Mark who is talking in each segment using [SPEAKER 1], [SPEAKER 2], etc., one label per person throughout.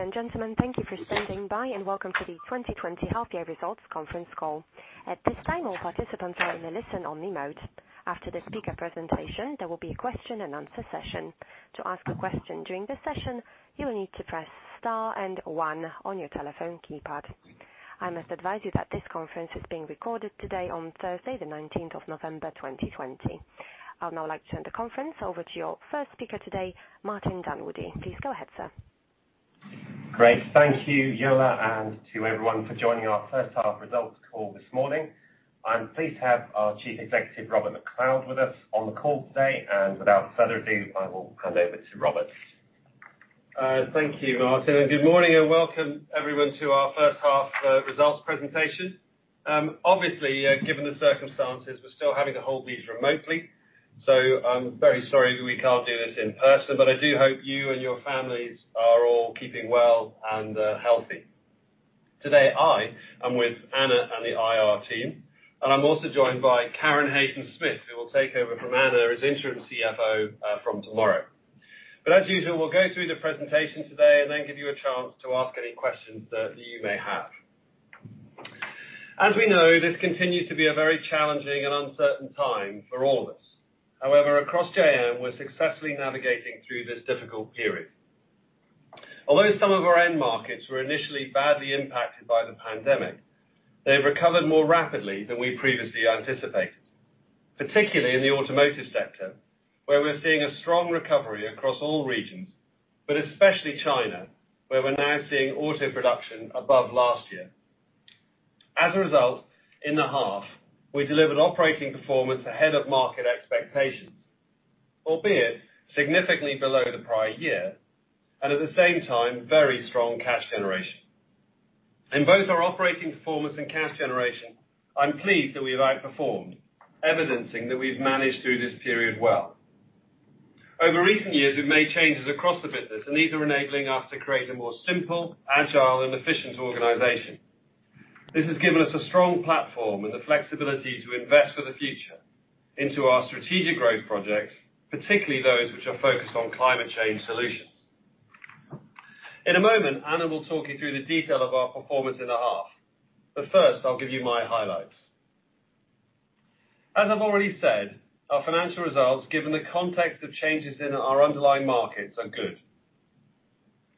[SPEAKER 1] Ladies and gentlemen, thank you for standing by, and welcome to the 2020 half-year results conference call. At this time, all participants are in a listen-only mode. After the speaker presentation, there will be a question-and-answer session. To ask a question during the session, you will need to press star and one on your telephone keypad. I must advise you that this conference is being recorded today on Thursday, the 19th of November 2020. I would now like to turn the conference over to your first speaker today, Martin Dunwoodie. Please go ahead, sir.
[SPEAKER 2] Great. Thank you, Yella, and to everyone for joining our first half results call this morning. I'm pleased to have our Chief Executive, Robert MacLeod, with us on the call today. Without further ado, I will hand over to Robert.
[SPEAKER 3] Thank you, Martin. Good morning, and welcome everyone to our first half results presentation. Obviously, given the circumstances, we're still having to hold these remotely, so I'm very sorry we can't do this in person. I do hope you and your families are all keeping well and healthy. Today, I am with Anna and the IR team, and I'm also joined by Karen Hayzen-Smith, who will take over from Anna as interim CFO from tomorrow. As usual, we'll go through the presentation today and then give you a chance to ask any questions that you may have. As we know, this continues to be a very challenging and uncertain time for all of us. However, across JM, we're successfully navigating through this difficult period. Although some of our end markets were initially badly impacted by the pandemic, they've recovered more rapidly than we previously anticipated, particularly in the automotive sector, where we're seeing a strong recovery across all regions, but especially China, where we're now seeing auto production above last year. As a result, in the half, we delivered operating performance ahead of market expectations, albeit significantly below the prior year, and at the same time, very strong cash generation. In both our operating performance and cash generation, I'm pleased that we have outperformed, evidencing that we've managed through this period well. Over recent years, we've made changes across the business, and these are enabling us to create a more simple, agile and efficient organization. This has given us a strong platform and the flexibility to invest for the future into our strategic growth projects, particularly those which are focused on climate change solutions. In a moment, Anna will talk you through the detail of our performance in the half. First, I'll give you my highlights. As I've already said, our financial results, given the context of changes in our underlying markets, are good.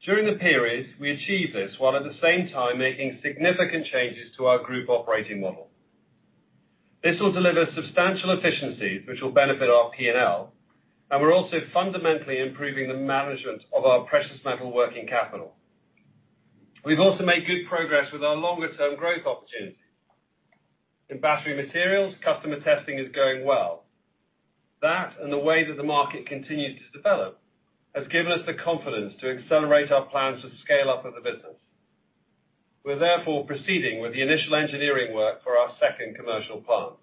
[SPEAKER 3] During the period, we achieved this while at the same time making significant changes to our group operating model. This will deliver substantial efficiencies which will benefit our P&L. We're also fundamentally improving the management of our precious metal working capital. We've also made good progress with our longer term growth opportunities. In Battery Materials, customer testing is going well. That and the way that the market continues to develop has given us the confidence to accelerate our plans to scale up as a business. We're therefore proceeding with the initial engineering work for our second commercial plant.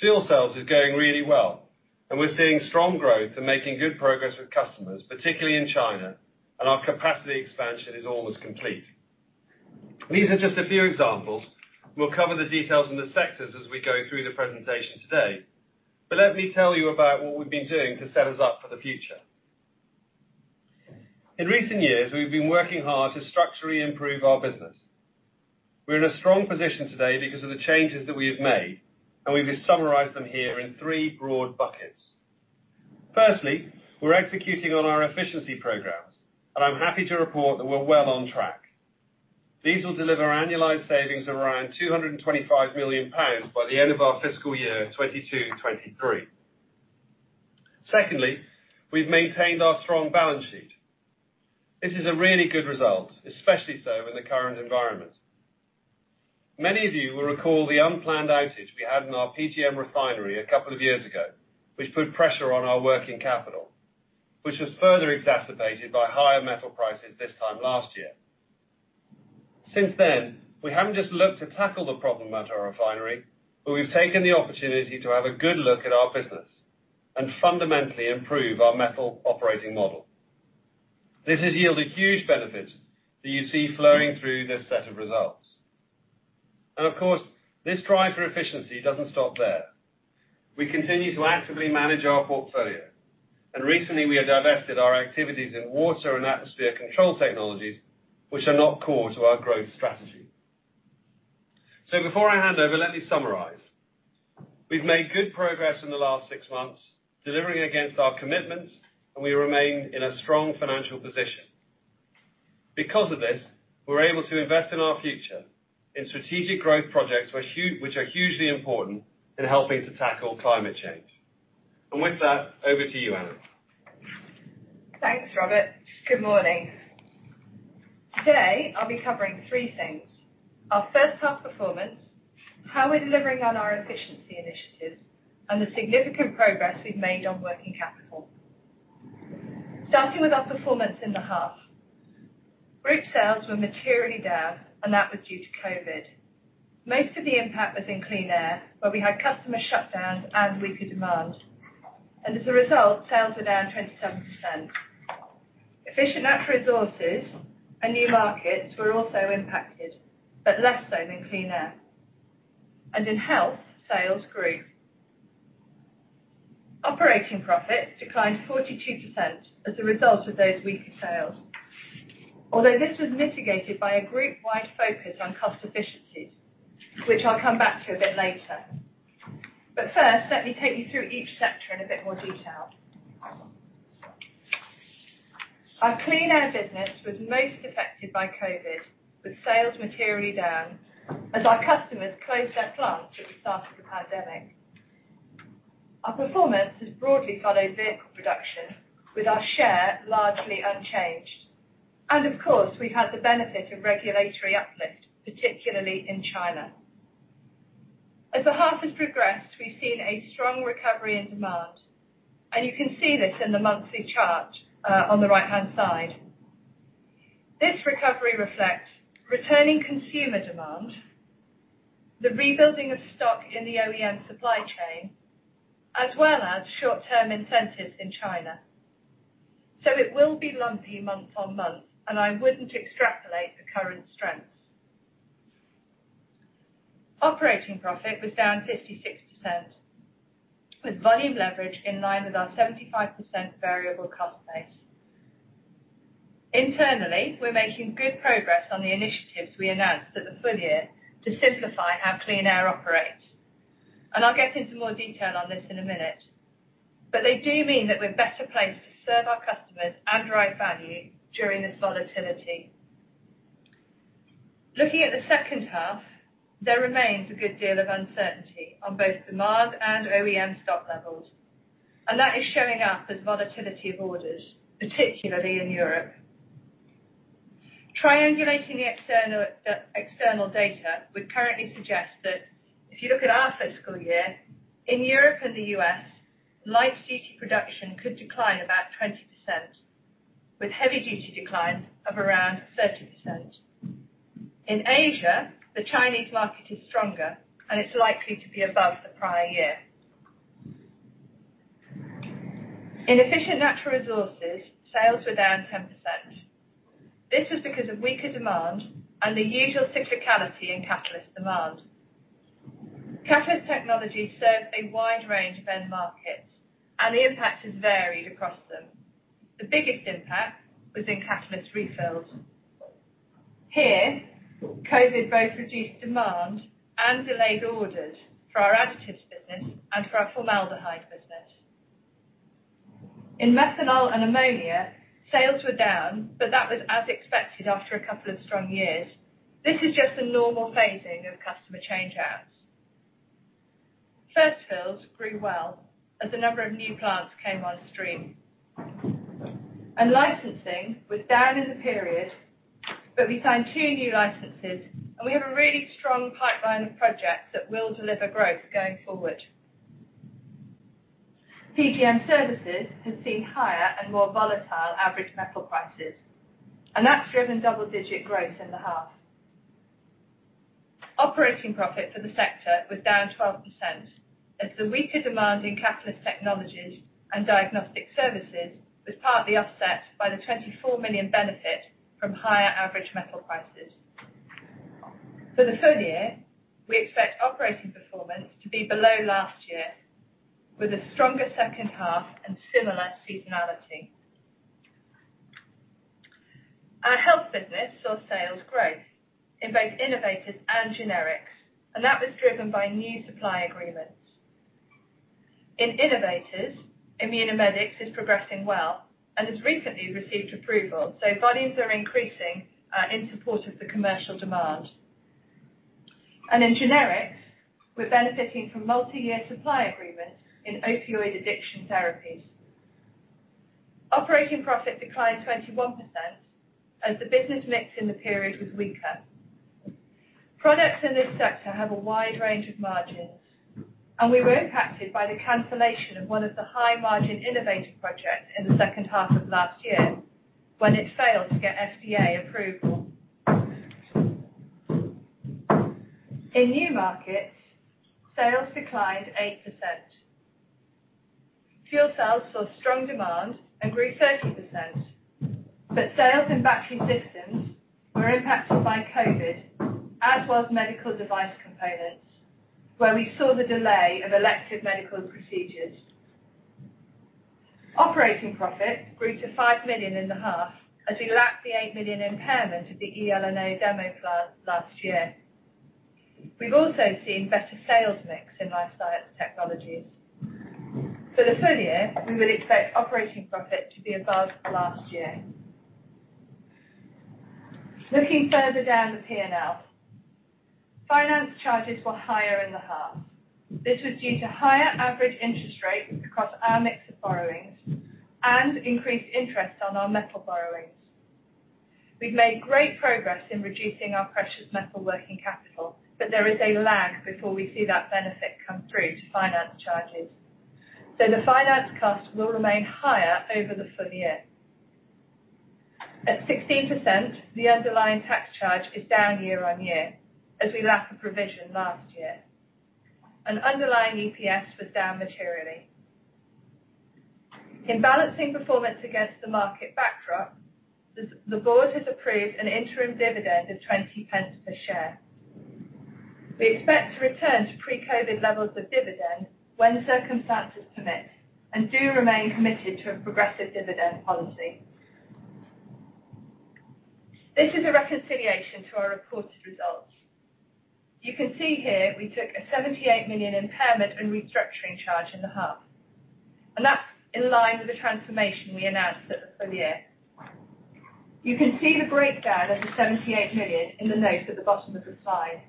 [SPEAKER 3] Fuel cells is going really well, and we're seeing strong growth and making good progress with customers, particularly in China, and our capacity expansion is almost complete. These are just a few examples. We'll cover the details in the sectors as we go through the presentation today. Let me tell you about what we've been doing to set us up for the future. In recent years, we've been working hard to structurally improve our business. We're in a strong position today because of the changes that we have made, and we've summarized them here in three broad buckets. Firstly, we're executing on our efficiency programs, and I'm happy to report that we're well on track. These will deliver annualized savings of around 225 million pounds by the end of our fiscal year 2022-2023. Secondly, we've maintained our strong balance sheet. This is a really good result, especially so in the current environment. Many of you will recall the unplanned outage we had in our PGM refinery a couple of years ago, which put pressure on our working capital, which was further exacerbated by higher metal prices this time last year. Since then, we haven't just looked to tackle the problem at our refinery, but we've taken the opportunity to have a good look at our business and fundamentally improve our metal operating model. This has yielded huge benefits that you see flowing through this set of results. Of course, this drive for efficiency doesn't stop there. We continue to actively manage our portfolio, and recently we have divested our activities in water and atmosphere control technologies, which are not core to our growth strategy. Before I hand over, let me summarize. We've made good progress in the last six months, delivering against our commitments, and we remain in a strong financial position. Because of this, we're able to invest in our future in strategic growth projects which are hugely important in helping to tackle climate change. With that, over to you, Anna.
[SPEAKER 4] Thanks, Robert. Good morning. Today, I'll be covering three things: our first half performance, how we're delivering on our efficiency initiatives, and the significant progress we've made on working capital. Starting with our performance in the half. Group sales were materially down, and that was due to COVID. Most of the impact was in Clean Air, where we had customer shutdowns and weaker demand. As a result, sales were down 27%. Efficient Natural Resources and New Markets were also impacted, but less so than Clean Air. In Health, sales grew. Operating profit declined 42% as a result of those weaker sales. Although this was mitigated by a group-wide focus on cost efficiencies, which I'll come back to a bit later. First, let me take you through each sector in a bit more detail. Our Clean Air business was most affected by COVID, with sales materially down as our customers closed their plants at the start of the pandemic. Our performance has broadly followed vehicle production, with our share largely unchanged. Of course, we've had the benefit of regulatory uplift, particularly in China. As the half has progressed, we've seen a strong recovery in demand, you can see this in the monthly chart on the right-hand side. This recovery reflects returning consumer demand, the rebuilding of stock in the OEM supply chain, as well as short-term incentives in China. It will be lumpy month on month, I wouldn't extrapolate the current strengths. Operating profit was down 56%, with volume leverage in line with our 75% variable cost base. Internally, we're making good progress on the initiatives we announced at the full year to simplify how Clean Air operates. I'll get into more detail on this in a minute. They do mean that we're better placed to serve our customers and drive value during this volatility. Looking at the second half, there remains a good deal of uncertainty on both demand and OEM stock levels, and that is showing up as volatility of orders, particularly in Europe. Triangulating the external data would currently suggest that if you look at our fiscal year, in Europe and the U.S., light duty production could decline about 20%, with heavy-duty declines of around 30%. In Asia, the Chinese market is stronger and it's likely to be above the prior year. In Efficient Natural Resources, sales were down 10%. This was because of weaker demand and the usual cyclicality in catalyst demand. Catalyst Technologies serves a wide range of end markets, and the impact has varied across them. The biggest impact was in catalyst refills. Here, COVID both reduced demand and delayed orders for our additives business and for our formaldehyde business. In methanol and ammonia, sales were down, but that was as expected after a couple of strong years. This is just the normal phasing of customer changeouts. First fills grew well as the number of new plants came on stream. Licensing was down in the period, but we signed two new licenses, and we have a really strong pipeline of projects that will deliver growth going forward. PGM Services has seen higher and more volatile average metal prices, and that's driven double-digit growth in the half. Operating profit for the sector was down 12% as the weaker demand in Catalyst Technologies and diagnostic services was partly offset by the 24 million benefit from higher average metal prices. For the full year, we expect operating performance to be below last year, with a stronger second half and similar seasonality. Our Health business saw sales growth in both innovators and generics, and that was driven by new supply agreements. In innovators, Immunomedics is progressing well and has recently received approval, so volumes are increasing in support of the commercial demand. In generics, we're benefiting from multi-year supply agreements in opioid addiction therapies. Operating profit declined 21% as the business mix in the period was weaker. Products in this sector have a wide range of margins, and we were impacted by the cancellation of one of the high-margin innovator projects in the second half of last year when it failed to get FDA approval. In New Markets, sales declined 8%. Fuel cells saw strong demand and grew 30%, but sales in battery systems were impacted by COVID, as well as medical device components, where we saw the delay of elective medical procedures. Operating profit grew to 5 million in the half as we lapped the 8 million impairment of the eLNO demo plant last year. We've also seen better sales mix in Life Science Technology. For the full year, we would expect operating profit to be above last year. Looking further down the P&L. Finance charges were higher in the half. This was due to higher average interest rates across our mix of borrowings and increased interest on our metal borrowings. We've made great progress in reducing our precious metal working capital, but there is a lag before we see that benefit come through to finance charges. The finance cost will remain higher over the full year. At 16%, the underlying tax charge is down year-on-year, as we lap a provision last year. Underlying EPS was down materially. In balancing performance against the market backdrop, the board has approved an interim dividend of 0.20 per share. We expect to return to pre-COVID levels of dividend when circumstances permit and do remain committed to a progressive dividend policy. This is a reconciliation to our reported results. You can see here we took a 78 million impairment and restructuring charge in the half, that's in line with the transformation we announced at the full year. You can see the breakdown of the 78 million in the note at the bottom of the slide.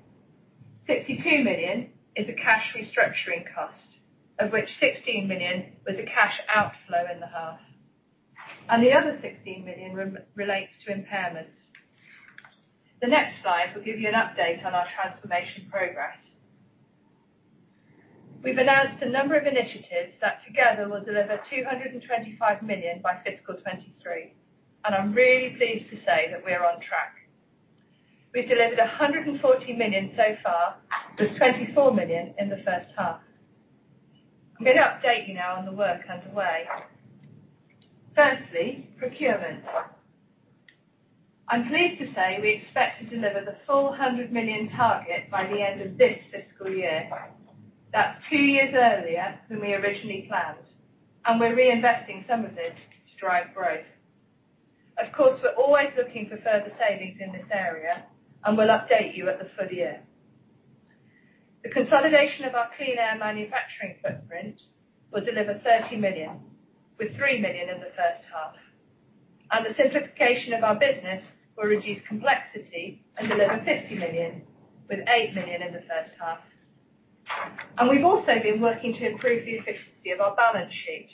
[SPEAKER 4] 62 million is a cash restructuring cost, of which 16 million was a cash outflow in the half, the other 16 million relates to impairments. The next slide will give you an update on our transformation progress. We've announced a number of initiatives that together will deliver 225 million by fiscal 2023. I'm really pleased to say that we are on track. We've delivered 140 million so far, with 24 million in the first half. I'm going to update you now on the work underway. Firstly, procurement. I'm pleased to say we expect to deliver the full 100 million target by the end of this fiscal year. That's two years earlier than we originally planned. We're reinvesting some of this to drive growth. Of course, we're always looking for further savings in this area. We'll update you at the full year. The consolidation of our Clean Air manufacturing footprint will deliver 30 million, with 3 million in the first half. The simplification of our business will reduce complexity and deliver 50 million, with 8 million in the first half. We've also been working to improve the efficiency of our balance sheet.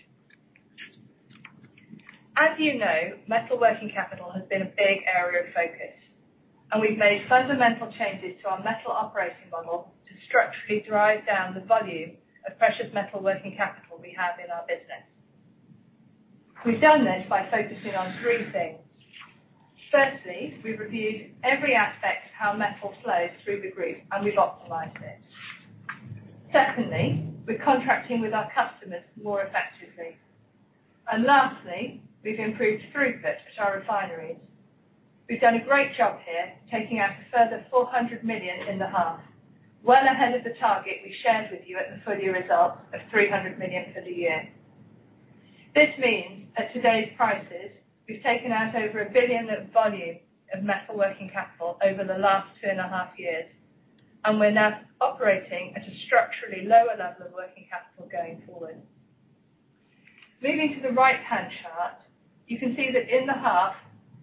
[SPEAKER 4] As you know, metal working capital has been a big area of focus, and we've made fundamental changes to our metal operating model to structurally drive down the volume of precious metal working capital we have in our business. We've done this by focusing on three things. Firstly, we've reviewed every aspect of how metal flows through the group, and we've optimized it. Secondly, we're contracting with our customers more effectively. Lastly, we've improved throughput at our refineries. We've done a great job here, taking out a further 400 million in the half, well ahead of the target we shared with you at the full year results of 300 million for the year. This means at today's prices, we've taken out over 1 billion of volume of metal working capital over the last 2.5 years, and we're now operating at a structurally lower level of working capital going forward. Moving to the right-hand chart, you can see that in the half,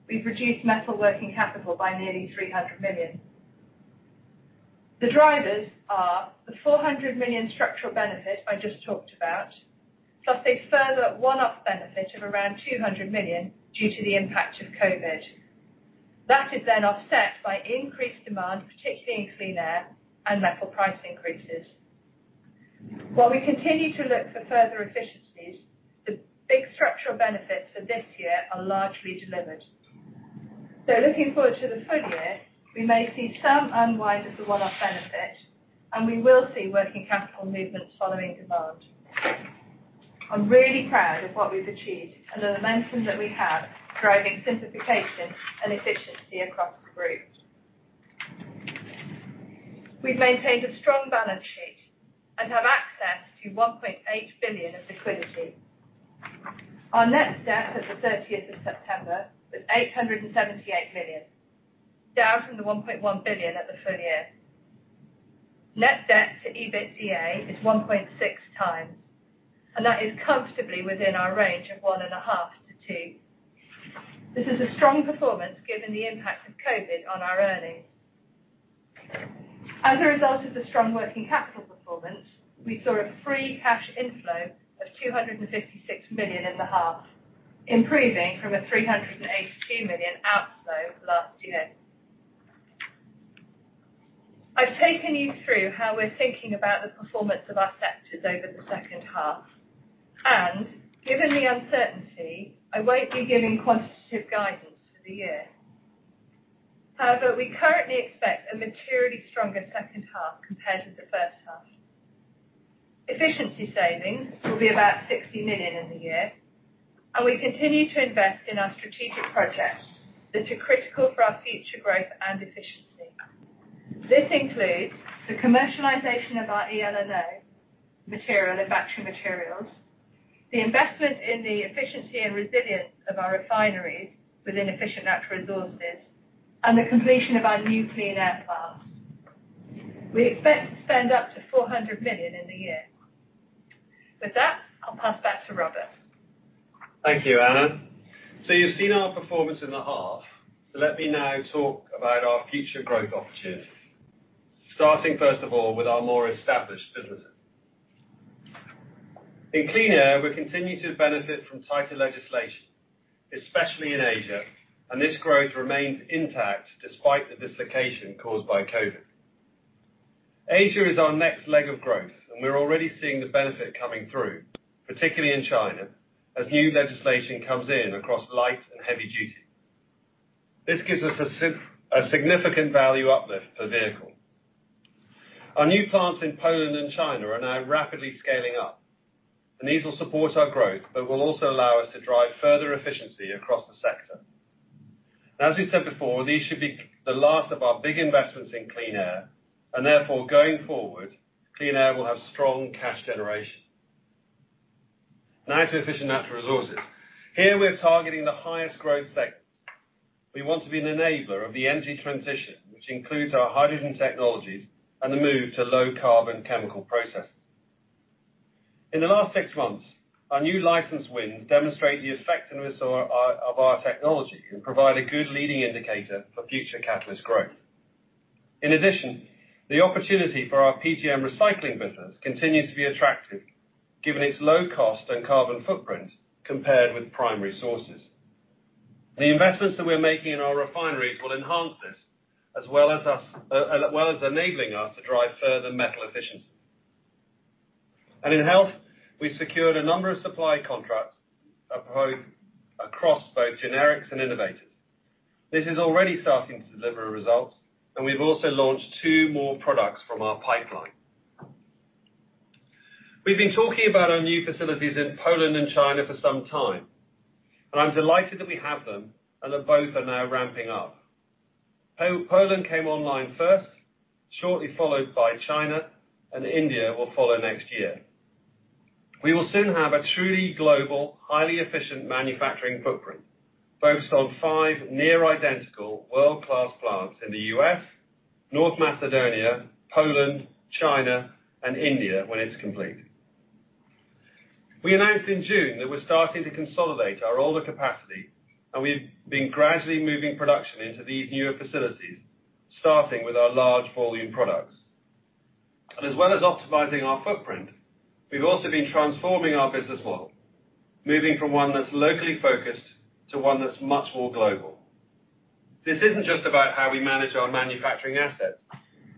[SPEAKER 4] we've reduced metal working capital by nearly 300 million. The drivers are the 400 million structural benefit I just talked about, plus a further one-off benefit of around 200 million due to the impact of COVID. That is then offset by increased demand, particularly in Clean Air and metal price increases. While we continue to look for further efficiencies, the big structural benefits for this year are largely delivered. Looking forward to the full year, we may see some unwind of the one-off benefit, and we will see working capital movements following demand. I'm really proud of what we've achieved and the momentum that we have driving simplification and efficiency across the group. We've maintained a strong balance sheet and have access to 1.8 billion of liquidity. Our net debt at the 13th of September was 878 million, down from the 1.1 billion at the full year. Net debt to EBITDA is 1.6x, that is comfortably within our range of 1.5x-2x. This is a strong performance given the impact of COVID on our earnings. As a result of the strong working capital performance, we saw a free cash inflow of 256 million in the half, improving from a 382 million outflow last year. I've taken you through how we're thinking about the performance of our sectors over the second half. Given the uncertainty, I won't be giving quantitative guidance for the year. However, we currently expect a materially stronger second half compared to the first half. Efficiency savings will be about 60 million in the year, and we continue to invest in our strategic projects that are critical for our future growth and efficiency. This includes the commercialization of our eLNO material and Battery Materials, the investment in the efficiency and resilience of our refineries with Efficient Natural Resources, and the completion of our new Clean Air plants. We expect to spend up to 400 million in the year. With that, I'll pass back to Robert.
[SPEAKER 3] Thank you, Anna. You've seen our performance in the half. Let me now talk about our future growth opportunities, starting first of all, with our more established businesses. In Clean Air, we continue to benefit from tighter legislation, especially in Asia. This growth remains intact despite the dislocation caused by COVID. Asia is our next leg of growth. We're already seeing the benefit coming through, particularly in China, as new legislation comes in across light duty and heavy duty. This gives us a significant value uplift per vehicle. Our new plants in Poland and China are now rapidly scaling up. These will support our growth but will also allow us to drive further efficiency across the sector. As we said before, these should be the last of our big investments in Clean Air. Therefore going forward, Clean Air will have strong cash generation. Efficient Natural Resources. Here we are targeting the highest growth sectors. We want to be an enabler of the energy transition, which includes our hydrogen technologies and the move to low carbon chemical processes. In the last six months, our new license wins demonstrate the effectiveness of our technology and provide a good leading indicator for future catalyst growth. In addition, the opportunity for our PGM recycling business continues to be attractive given its low cost and carbon footprint compared with primary sources. The investments that we're making in our refineries will enhance this, as well as enabling us to drive further metal efficiency. In Health, we secured a number of supply contracts across both generics and innovators. This is already starting to deliver results, and we've also launched two more products from our pipeline. We've been talking about our new facilities in Poland and China for some time, and I'm delighted that we have them and that both are now ramping up. Poland came online first, shortly followed by China, and India will follow next year. We will soon have a truly global, highly efficient manufacturing footprint focused on five near identical world-class plants in the U.S., North Macedonia, Poland, China, and India when it's complete. We announced in June that we're starting to consolidate our older capacity, and we've been gradually moving production into these newer facilities, starting with our large volume products. As well as optimizing our footprint, we've also been transforming our business model, moving from one that's locally focused to one that's much more global. This isn't just about how we manage our manufacturing assets,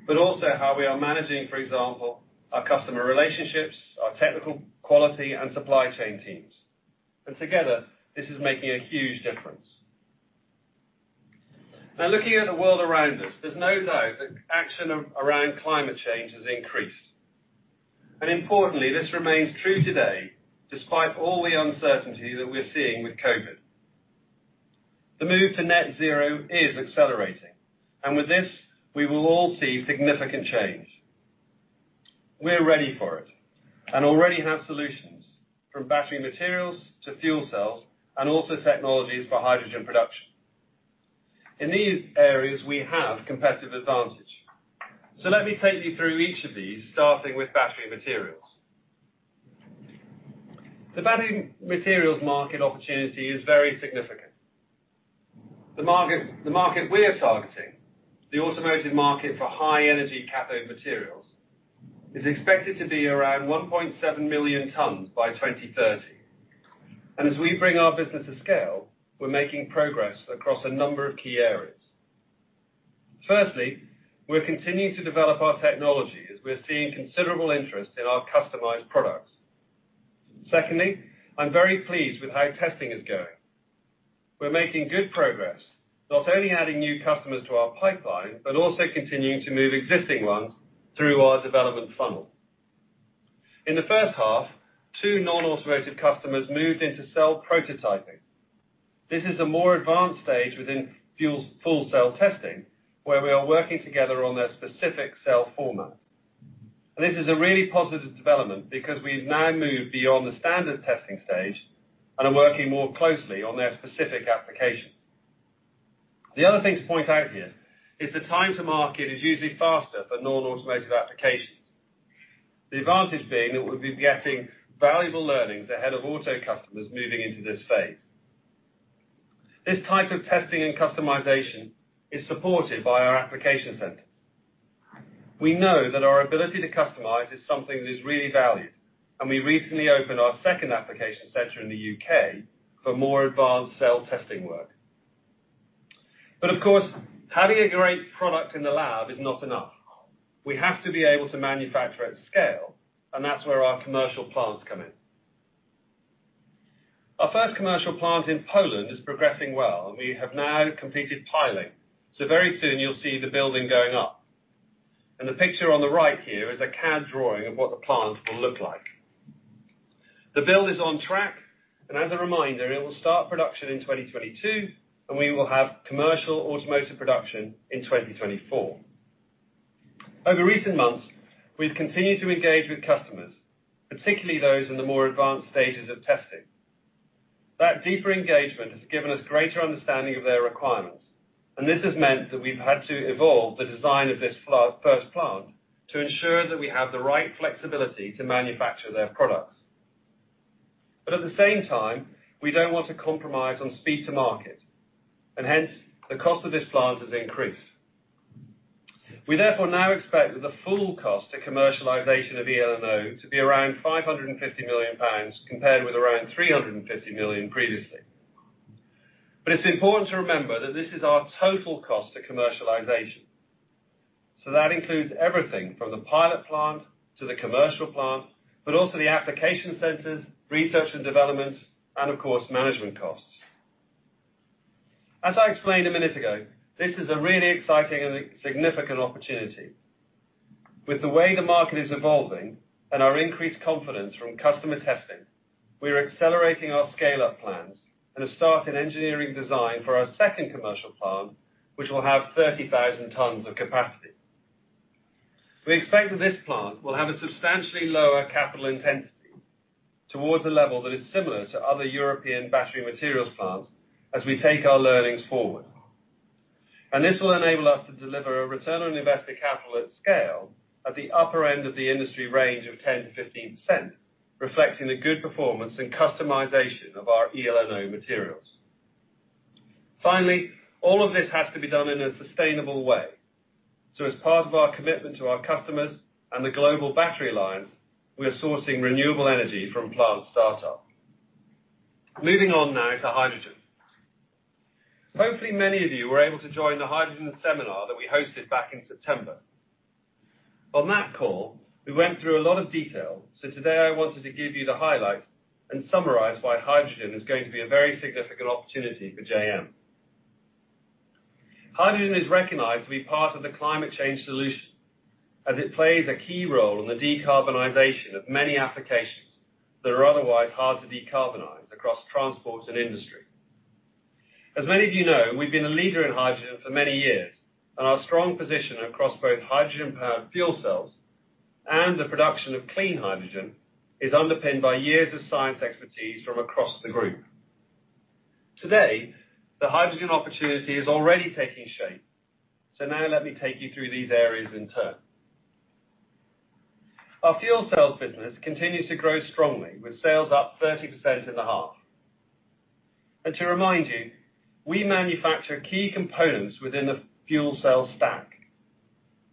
[SPEAKER 3] but also how we are managing, for example, our customer relationships, our technical quality and supply chain teams. Together, this is making a huge difference. Now looking at the world around us, there's no doubt that action around climate change has increased. Importantly, this remains true today despite all the uncertainty that we're seeing with COVID. The move to net zero is accelerating, and with this, we will all see significant change. We're ready for it and already have solutions, from Battery Materials to fuel cells and also technologies for hydrogen production. In these areas, we have competitive advantage. Let me take you through each of these, starting with Battery Materials. The Battery Materials market opportunity is very significant. The market we are targeting, the automotive market for high energy cathode materials, is expected to be around 1.7 million tons by 2030. As we bring our business to scale, we're making progress across a number of key areas. Firstly, we're continuing to develop our technology as we're seeing considerable interest in our customized products. Secondly, I'm very pleased with how testing is going. We're making good progress, not only adding new customers to our pipeline, but also continuing to move existing ones through our development funnel. In the first half, two non-automotive customers moved into cell prototyping. This is a more advanced stage within full cell testing where we are working together on their specific cell format. This is a really positive development because we've now moved beyond the standard testing stage and are working more closely on their specific application. The other thing to point out here is the time to market is usually faster for non-automotive applications. The advantage being that we'll be getting valuable learnings ahead of auto customers moving into this phase. This type of testing and customization is supported by our application centers. We know that our ability to customize is something that is really valued, and we recently opened our second application center in the U.K. for more advanced cell testing work. Of course, having a great product in the lab is not enough. We have to be able to manufacture at scale, and that's where our commercial plants come in. Our first commercial plant in Poland is progressing well. We have now completed piling, so very soon you'll see the building going up. The picture on the right here is a CAD drawing of what the plant will look like. The build is on track, as a reminder, it will start production in 2022, and we will have commercial automotive production in 2024. Over recent months, we've continued to engage with customers, particularly those in the more advanced stages of testing. That deeper engagement has given us greater understanding of their requirements, this has meant that we've had to evolve the design of this first plant to ensure that we have the right flexibility to manufacture their products. At the same time, we don't want to compromise on speed to market, hence, the cost of this plant has increased. We therefore now expect that the full cost to commercialization of eLNO to be around 550 million pounds, compared with around 350 million previously. It's important to remember that this is our total cost to commercialization. That includes everything from the pilot plant to the commercial plant, but also the application centers, research and development, and of course, management costs. As I explained a minute ago, this is a really exciting and significant opportunity. With the way the market is evolving and our increased confidence from customer testing, we are accelerating our scale-up plans and have started engineering design for our second commercial plant, which will have 30,000 tons of capacity. We expect that this plant will have a substantially lower capital intensity towards a level that is similar to other European Battery Materials plants as we take our learnings forward. This will enable us to deliver a return on invested capital at scale at the upper end of the industry range of 10%-15%, reflecting the good performance and customization of our eLNO materials. Finally, all of this has to be done in a sustainable way. As part of our commitment to our customers and the Global Battery Alliance, we are sourcing renewable energy from plant startup. Moving on now to hydrogen. Hopefully, many of you were able to join the hydrogen seminar that we hosted back in September. On that call, we went through a lot of detail. Today I wanted to give you the highlights and summarize why hydrogen is going to be a very significant opportunity for JM. Hydrogen is recognized to be part of the climate change solution, as it plays a key role in the decarbonization of many applications that are otherwise hard to decarbonize across transports and industry. As many of you know, we've been a leader in hydrogen for many years, and our strong position across both hydrogen-powered fuel cells and the production of clean hydrogen is underpinned by years of science expertise from across the group. Today, the hydrogen opportunity is already taking shape. Now let me take you through these areas in turn. Our fuel cells business continues to grow strongly, with sales up 30% in the half. To remind you, we manufacture key components within the fuel cell stack,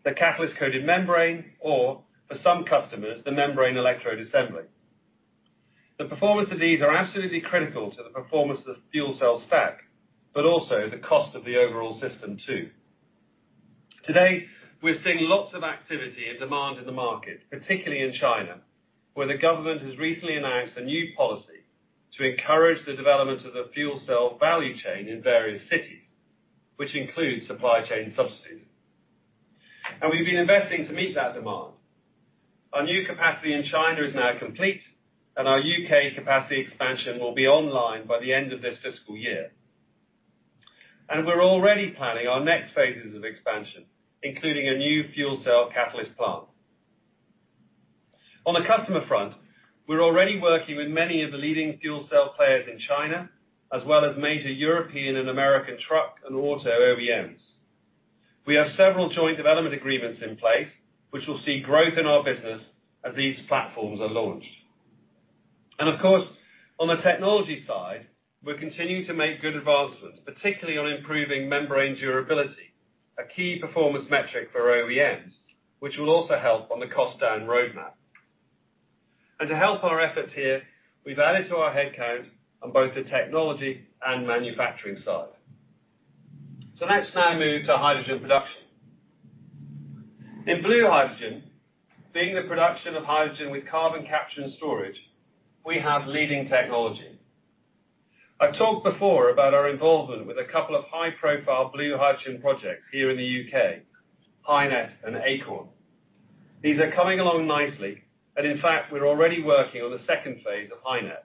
[SPEAKER 3] the catalyst-coated membrane, or for some customers, the membrane electrode assembly. The performance of these are absolutely critical to the performance of the fuel cell stack, but also the cost of the overall system too. Today, we're seeing lots of activity and demand in the market, particularly in China, where the government has recently announced a new policy to encourage the development of the fuel cell value chain in various cities, which includes supply chain subsidies. We've been investing to meet that demand. Our new capacity in China is now complete, and our U.K. capacity expansion will be online by the end of this fiscal year. We're already planning our next phases of expansion, including a new fuel cell catalyst plant. On the customer front, we're already working with many of the leading fuel cell players in China, as well as major European and American truck and auto OEMs. We have several joint development agreements in place, which will see growth in our business as these platforms are launched. Of course, on the technology side, we're continuing to make good advancements, particularly on improving membrane durability, a key performance metric for OEMs, which will also help on the cost-down roadmap. To help our efforts here, we've added to our headcount on both the technology and manufacturing side. Let's now move to hydrogen production. In blue hydrogen, being the production of hydrogen with carbon capture and storage, we have leading technology. I've talked before about our involvement with a couple of high-profile blue hydrogen projects here in the U.K., HyNet and Acorn. These are coming along nicely. In fact, we're already working on the second phase of HyNet.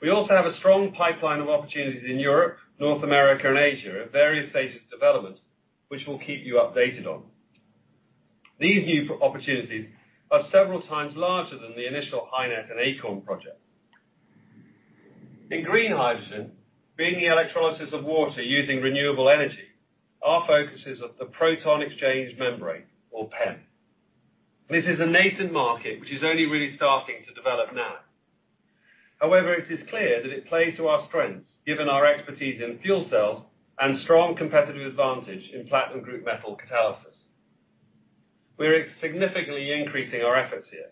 [SPEAKER 3] We also have a strong pipeline of opportunities in Europe, North America, and Asia at various stages of development, which we'll keep you updated on. These new opportunities are several times larger than the initial HyNet and Acorn projects. In green hydrogen, being the electrolysis of water using renewable energy, our focus is at the proton exchange membrane, or PEM. This is a nascent market which is only really starting to develop now. It is clear that it plays to our strengths, given our expertise in fuel cells and strong competitive advantage in platinum group metal catalysis. We're significantly increasing our efforts here,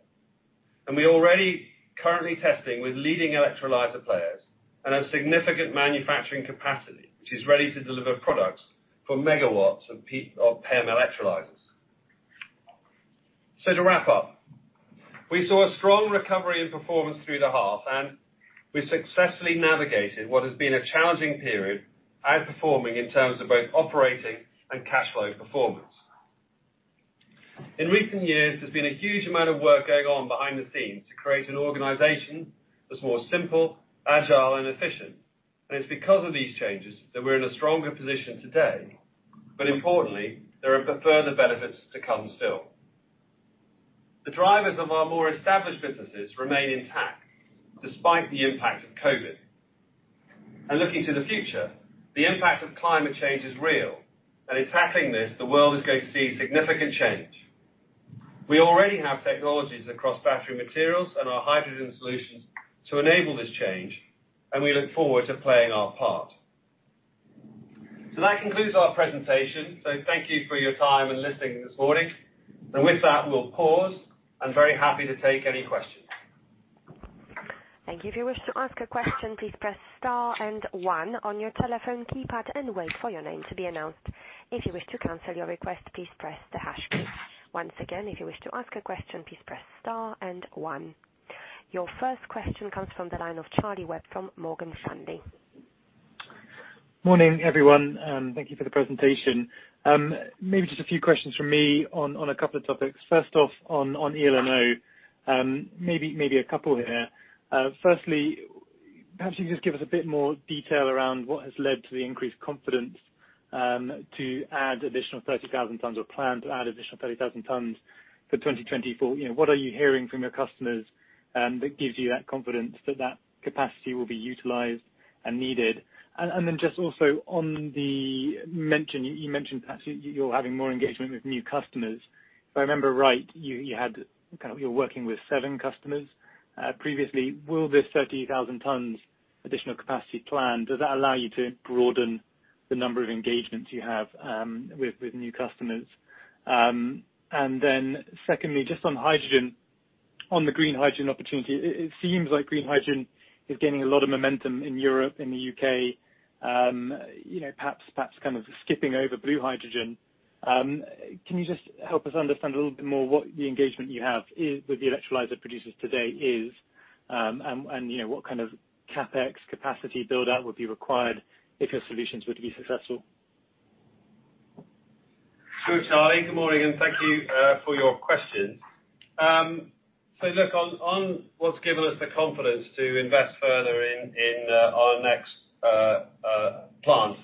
[SPEAKER 3] and we are already currently testing with leading electrolyzer players and have significant manufacturing capacity which is ready to deliver products for megawatts of PEM electrolyzers. To wrap up, we saw a strong recovery in performance through the half, and we successfully navigated what has been a challenging period, outperforming in terms of both operating and cash flow performance. In recent years, there's been a huge amount of work going on behind the scenes to create an organization that's more simple, agile, and efficient. It's because of these changes that we're in a stronger position today. Importantly, there are further benefits to come still. The drivers of our more established businesses remain intact despite the impact of COVID. Looking to the future, the impact of climate change is real, and in tackling this, the world is going to see significant change. We already have technologies across Battery Materials and our hydrogen solutions to enable this change, and we look forward to playing our part. That concludes our presentation. Thank you for your time and listening this morning. With that, we'll pause. I'm very happy to take any questions.
[SPEAKER 1] Thank you. If you wish to ask a question, please press star and one on your telephone keypad and wait for your name to be announced. If you wish to cancel your request, please press the hash. Once again if you wish to ask a question, please press star and one. Your first question comes from the line of Charlie Webb from Morgan Stanley.
[SPEAKER 5] Morning, everyone. Thank you for the presentation. Maybe just a few questions from me on a couple of topics. First off on eLNO, maybe a couple here. Firstly, perhaps you can just give us a bit more detail around what has led to the increased confidence to add additional 30,000 tons or plan to add additional 30,000 tons for 2024. What are you hearing from your customers that gives you that confidence that capacity will be utilized and needed? Then just also on the mention, you mentioned perhaps you're having more engagement with new customers. If I remember right, you're working with seven customers previously. Does this 30,000 tons additional capacity plan allow you to broaden the number of engagements you have with new customers? Secondly, just on hydrogen, on the green hydrogen opportunity, it seems like green hydrogen is gaining a lot of momentum in Europe, in the U.K., perhaps kind of skipping over blue hydrogen. Can you just help us understand a little bit more what the engagement you have with the electrolyzer producers today is? What kind of CapEx capacity build-out would be required if your solutions were to be successful?
[SPEAKER 3] Sure, Charlie. Good morning, and thank you for your questions. Look, on what's given us the confidence to invest further in our next plant.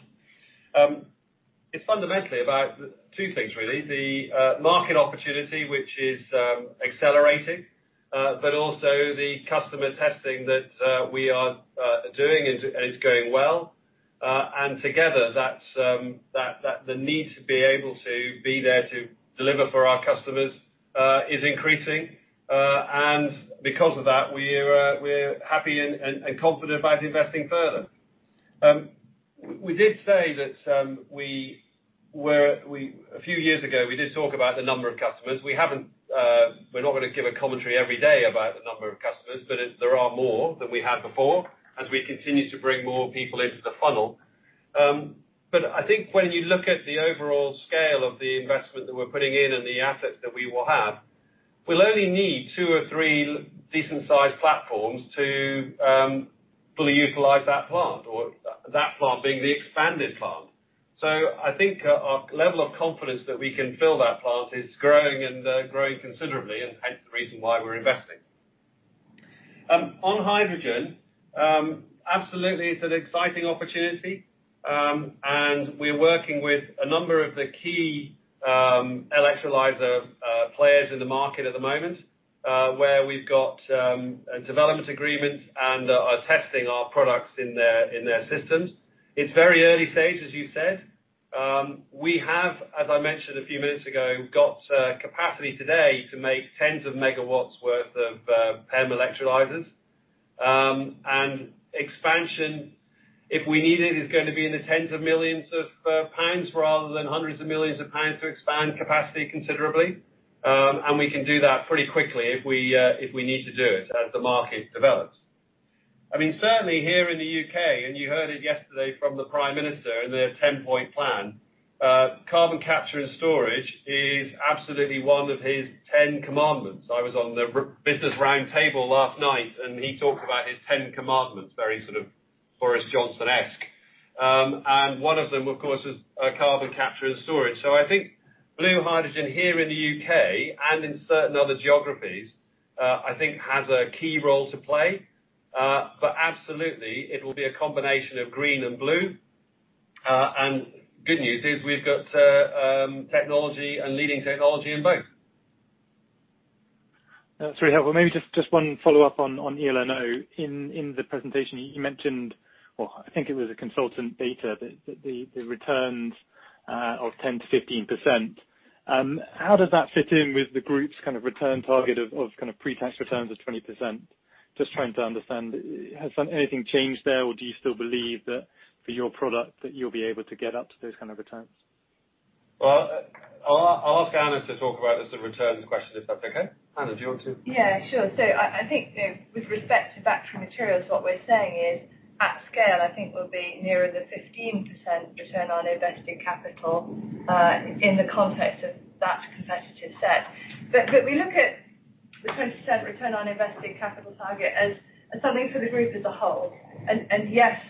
[SPEAKER 3] It's fundamentally about two things, really. The market opportunity, which is accelerating, but also the customer testing that we are doing is going well. Together, the need to be able to be there to deliver for our customers is increasing. Because of that, we're happy and confident about investing further. We did say that a few years ago, we did talk about the number of customers. We're not going to give a commentary every day about the number of customers, but there are more than we had before as we continue to bring more people into the funnel. I think when you look at the overall scale of the investment that we're putting in and the assets that we will have, we'll only need two or three decent-sized platforms to fully utilize that plant or that plant being the expanded plant. I think our level of confidence that we can fill that plant is growing and growing considerably and hence the reason why we're investing. On hydrogen, absolutely it's an exciting opportunity. We're working with a number of the key electrolyzer players in the market at the moment, where we've got development agreements and are testing our products in their systems. It's very early stage, as you said. We have, as I mentioned a few minutes ago, got capacity today to make tens of megawatts worth of PEM electrolyzers. Expansion, if we need it, is going to be in the tens of millions of pounds rather than hundreds of millions of pounds to expand capacity considerably. We can do that pretty quickly if we need to do it as the market develops. Certainly here in the U.K., you heard it yesterday from the Prime Minister and their Ten Point Plan, carbon capture and storage is absolutely one of his 10 commandments. I was on the business round table last night and he talked about his 10 commandments, very sort of Boris Johnson-esque. One of them, of course, is carbon capture and storage. I think blue hydrogen here in the U.K. and in certain other geographies, I think has a key role to play. Absolutely, it will be a combination of green and blue. Good news is we've got technology and leading technology in both.
[SPEAKER 5] Sorry. Well, maybe just one follow-up on eLNO. In the presentation, you mentioned, or I think it was a consultant data, that the returns of 10%-15%. How does that fit in with the group's kind of return target of pre-tax returns of 20%? Just trying to understand, has anything changed there, or do you still believe that for your product, that you'll be able to get up to those kind of returns?
[SPEAKER 3] I'll ask Anna to talk about the returns question, if that's okay. Anna, do you want to?
[SPEAKER 4] Yeah, sure. I think with respect to Battery Materials, what we're saying is at scale, I think we'll be nearer the 15% return on invested capital, in the context of that competitive set. We look at the 20% return on invested capital target as something for the group as a whole. Yes,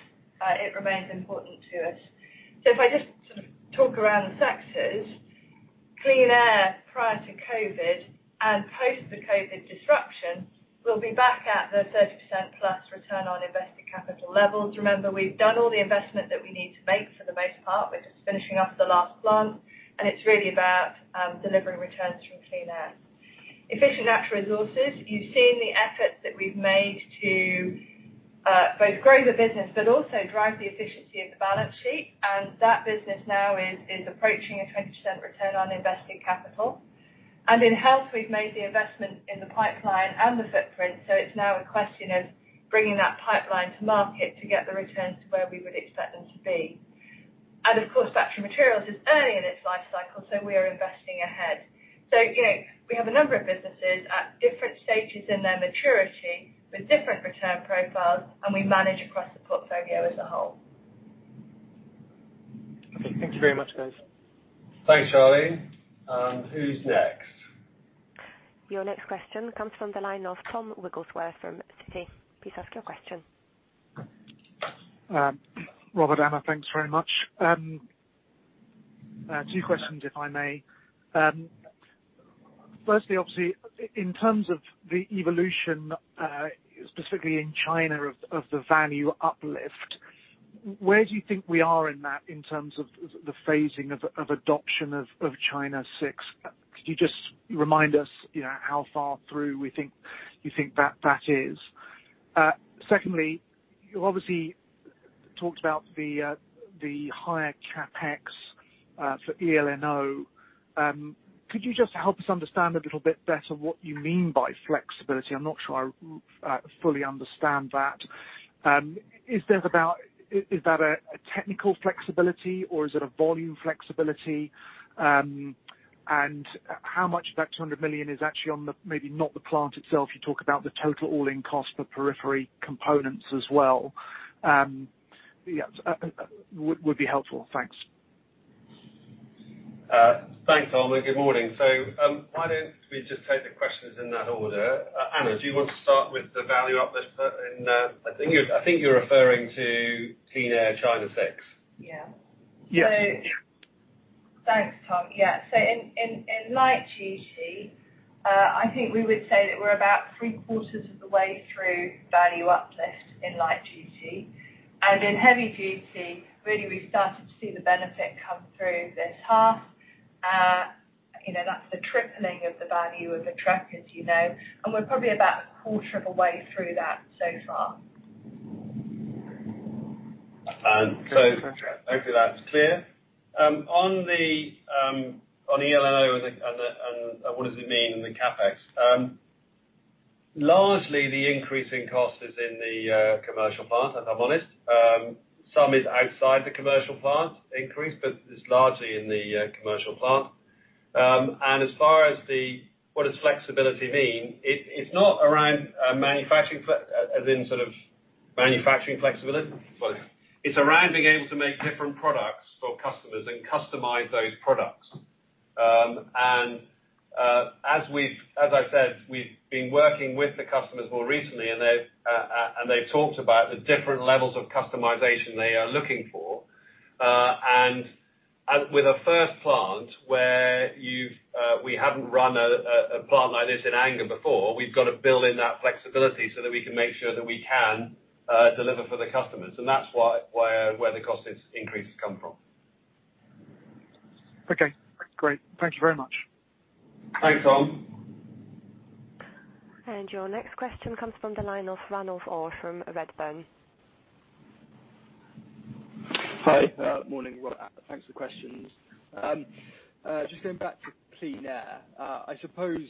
[SPEAKER 4] it remains important to us. If I just sort of talk around the sectors, Clean Air prior to COVID and post the COVID disruption will be back at the 30%+ return on invested capital levels. Remember, we've done all the investment that we need to make for the most part. We're just finishing up the last plant, and it's really about delivering returns from Clean Air. Efficient Natural Resources, you've seen the efforts that we've made to both grow the business but also drive the efficiency of the balance sheet. That business now is approaching a 20% return on invested capital. In Health, we've made the investment in the pipeline and the footprint, so it's now a question of bringing that pipeline to market to get the returns to where we would expect them to be. Of course, Battery Materials is early in its life cycle, so we are investing ahead. We have a number of businesses at different stages in their maturity with different return profiles, and we manage across the portfolio as a whole.
[SPEAKER 5] Okay. Thank you very much, guys.
[SPEAKER 3] Thanks, Charlie. Who's next?
[SPEAKER 1] Your next question comes from the line of Tom Wrigglesworth from Citi. Please ask your question.
[SPEAKER 6] Robert, Anna, thanks very much. Two questions, if I may. Firstly, obviously, in terms of the evolution, specifically in China of the value uplift, where do you think we are in that, in terms of the phasing of adoption of China VI? Could you just remind us how far through you think that is? Secondly, you obviously talked about the higher CapEx for eLNO. Could you just help us understand a little bit better what you mean by flexibility? I'm not sure I fully understand that. Is that a technical flexibility or is it a volume flexibility? How much of that 200 million is actually on the, maybe not the plant itself, you talk about the total all-in cost for periphery components as well. Would be helpful. Thanks.
[SPEAKER 3] Thanks, Tom. Good morning. Why don't we just take the questions in that order. Anna, do you want to start with the value uplift in, I think you're referring to Clean Air China VI.
[SPEAKER 4] Yeah.
[SPEAKER 6] Yes.
[SPEAKER 4] Thanks, Tom. Yeah. In light duty, I think we would say that we're about three-quarters of the way through value uplift in light duty. In heavy duty, really, we started to see the benefit come through this half. That's the tripling of the value of a truck, as you know, and we're probably about a quarter of a way through that so far.
[SPEAKER 3] Hopefully that's clear. On the eLNO and what does it mean in the CapEx. Largely the increase in cost is in the commercial plant, if I'm honest. Some is outside the commercial plant increase, but it's largely in the commercial plant. As far as the what does flexibility mean, it's not around manufacturing as in sort of manufacturing flexibility. It's around being able to make different products for customers and customize those products. As I said, we've been working with the customers more recently, and they've talked about the different levels of customization they are looking for. With a first plant where we haven't run a plant like this in anger before, we've got to build in that flexibility so that we can make sure that we can deliver for the customers. That's where the cost increases come from.
[SPEAKER 6] Okay, great. Thank you very much.
[SPEAKER 3] Thanks, Tom.
[SPEAKER 1] Your next question comes from the line of Ranulf Orr from Redburn.
[SPEAKER 7] Hi. Morning. Well, thanks for the questions. Just going back to Clean Air, I suppose,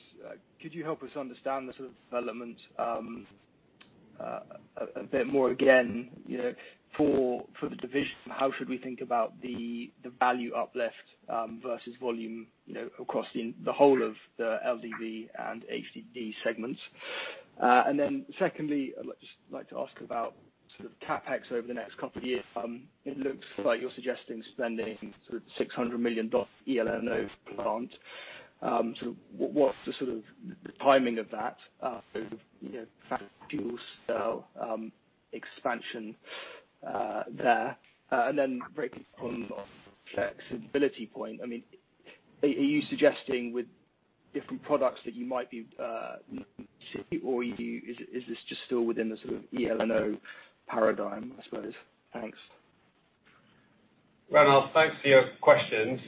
[SPEAKER 7] could you help us understand the sort of development a bit more again, for the division, how should we think about the value uplift versus volume across the whole of the LDV and HDV segments? Secondly, I'd just like to ask about CapEx over the next couple of years. It looks like you're suggesting spending GBP 600 million eLNO plant. What's the timing of that? Fuel cell expansion there? Very quickly on flexibility point, are you suggesting with different products that you might be or is this just still within the sort of eLNO paradigm, I suppose? Thanks.
[SPEAKER 3] Ranulf, thanks for your questions.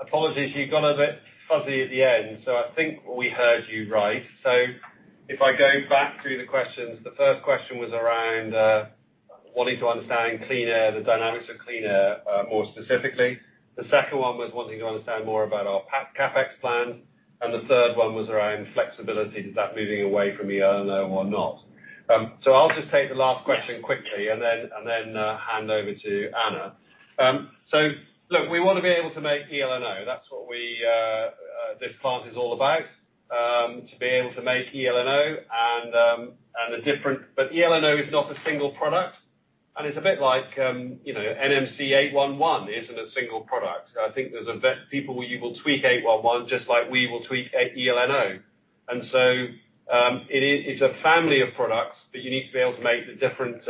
[SPEAKER 3] Apologies, you got a bit fuzzy at the end, so I think we heard you right. If I go back through the questions, the first question was around wanting to understand Clean Air, the dynamics of Clean Air, more specifically. The second one was wanting to understand more about our CapEx plan, and the third one was around flexibility. Is that moving away from eLNO or not? I'll just take the last question quickly and then hand over to Anna. Look, we want to be able to make eLNO. That's what this plant is all about, to be able to make eLNO. But eLNO is not a single product, and it's a bit like NMC811 isn't a single product. I think people will tweak 811 just like we will tweak eLNO. It's a family of products, but you need to be able to make the different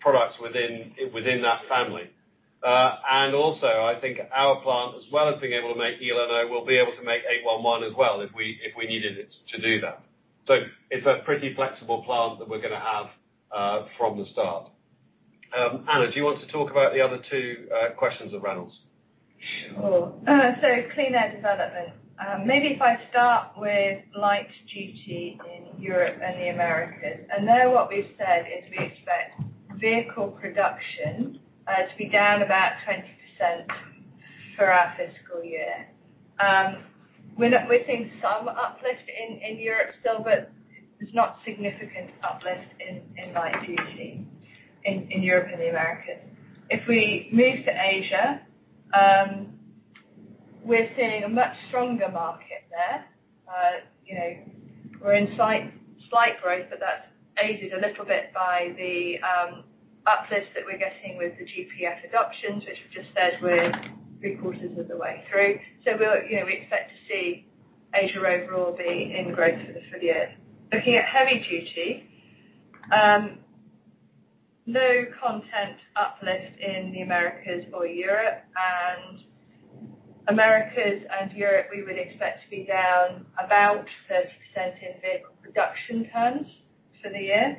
[SPEAKER 3] products within that family. Also, I think our plant, as well as being able to make eLNO, will be able to make 811 as well if we needed it to do that. It's a pretty flexible plant that we're going to have from the start. Anna, do you want to talk about the other two questions of Ranulf?
[SPEAKER 4] Sure. Clean Air development. Maybe if I start with light duty in Europe and the Americas. There what we've said is we expect vehicle production to be down about 20% for our fiscal year. We're seeing some uplift in Europe still, but there's not significant uplift in light duty in Europe and the Americas. If we move to Asia, we're seeing a much stronger market there. We're in slight growth, but that's aided a little bit by the uplift that we're getting with the GPF adoptions, which we just said we're three-quarters of the way through. We expect to see Asia overall be in growth for the year. Looking at heavy duty. No content uplift in the Americas or Europe. Americas and Europe, we would expect to be down about 30% in vehicle production terms for the year.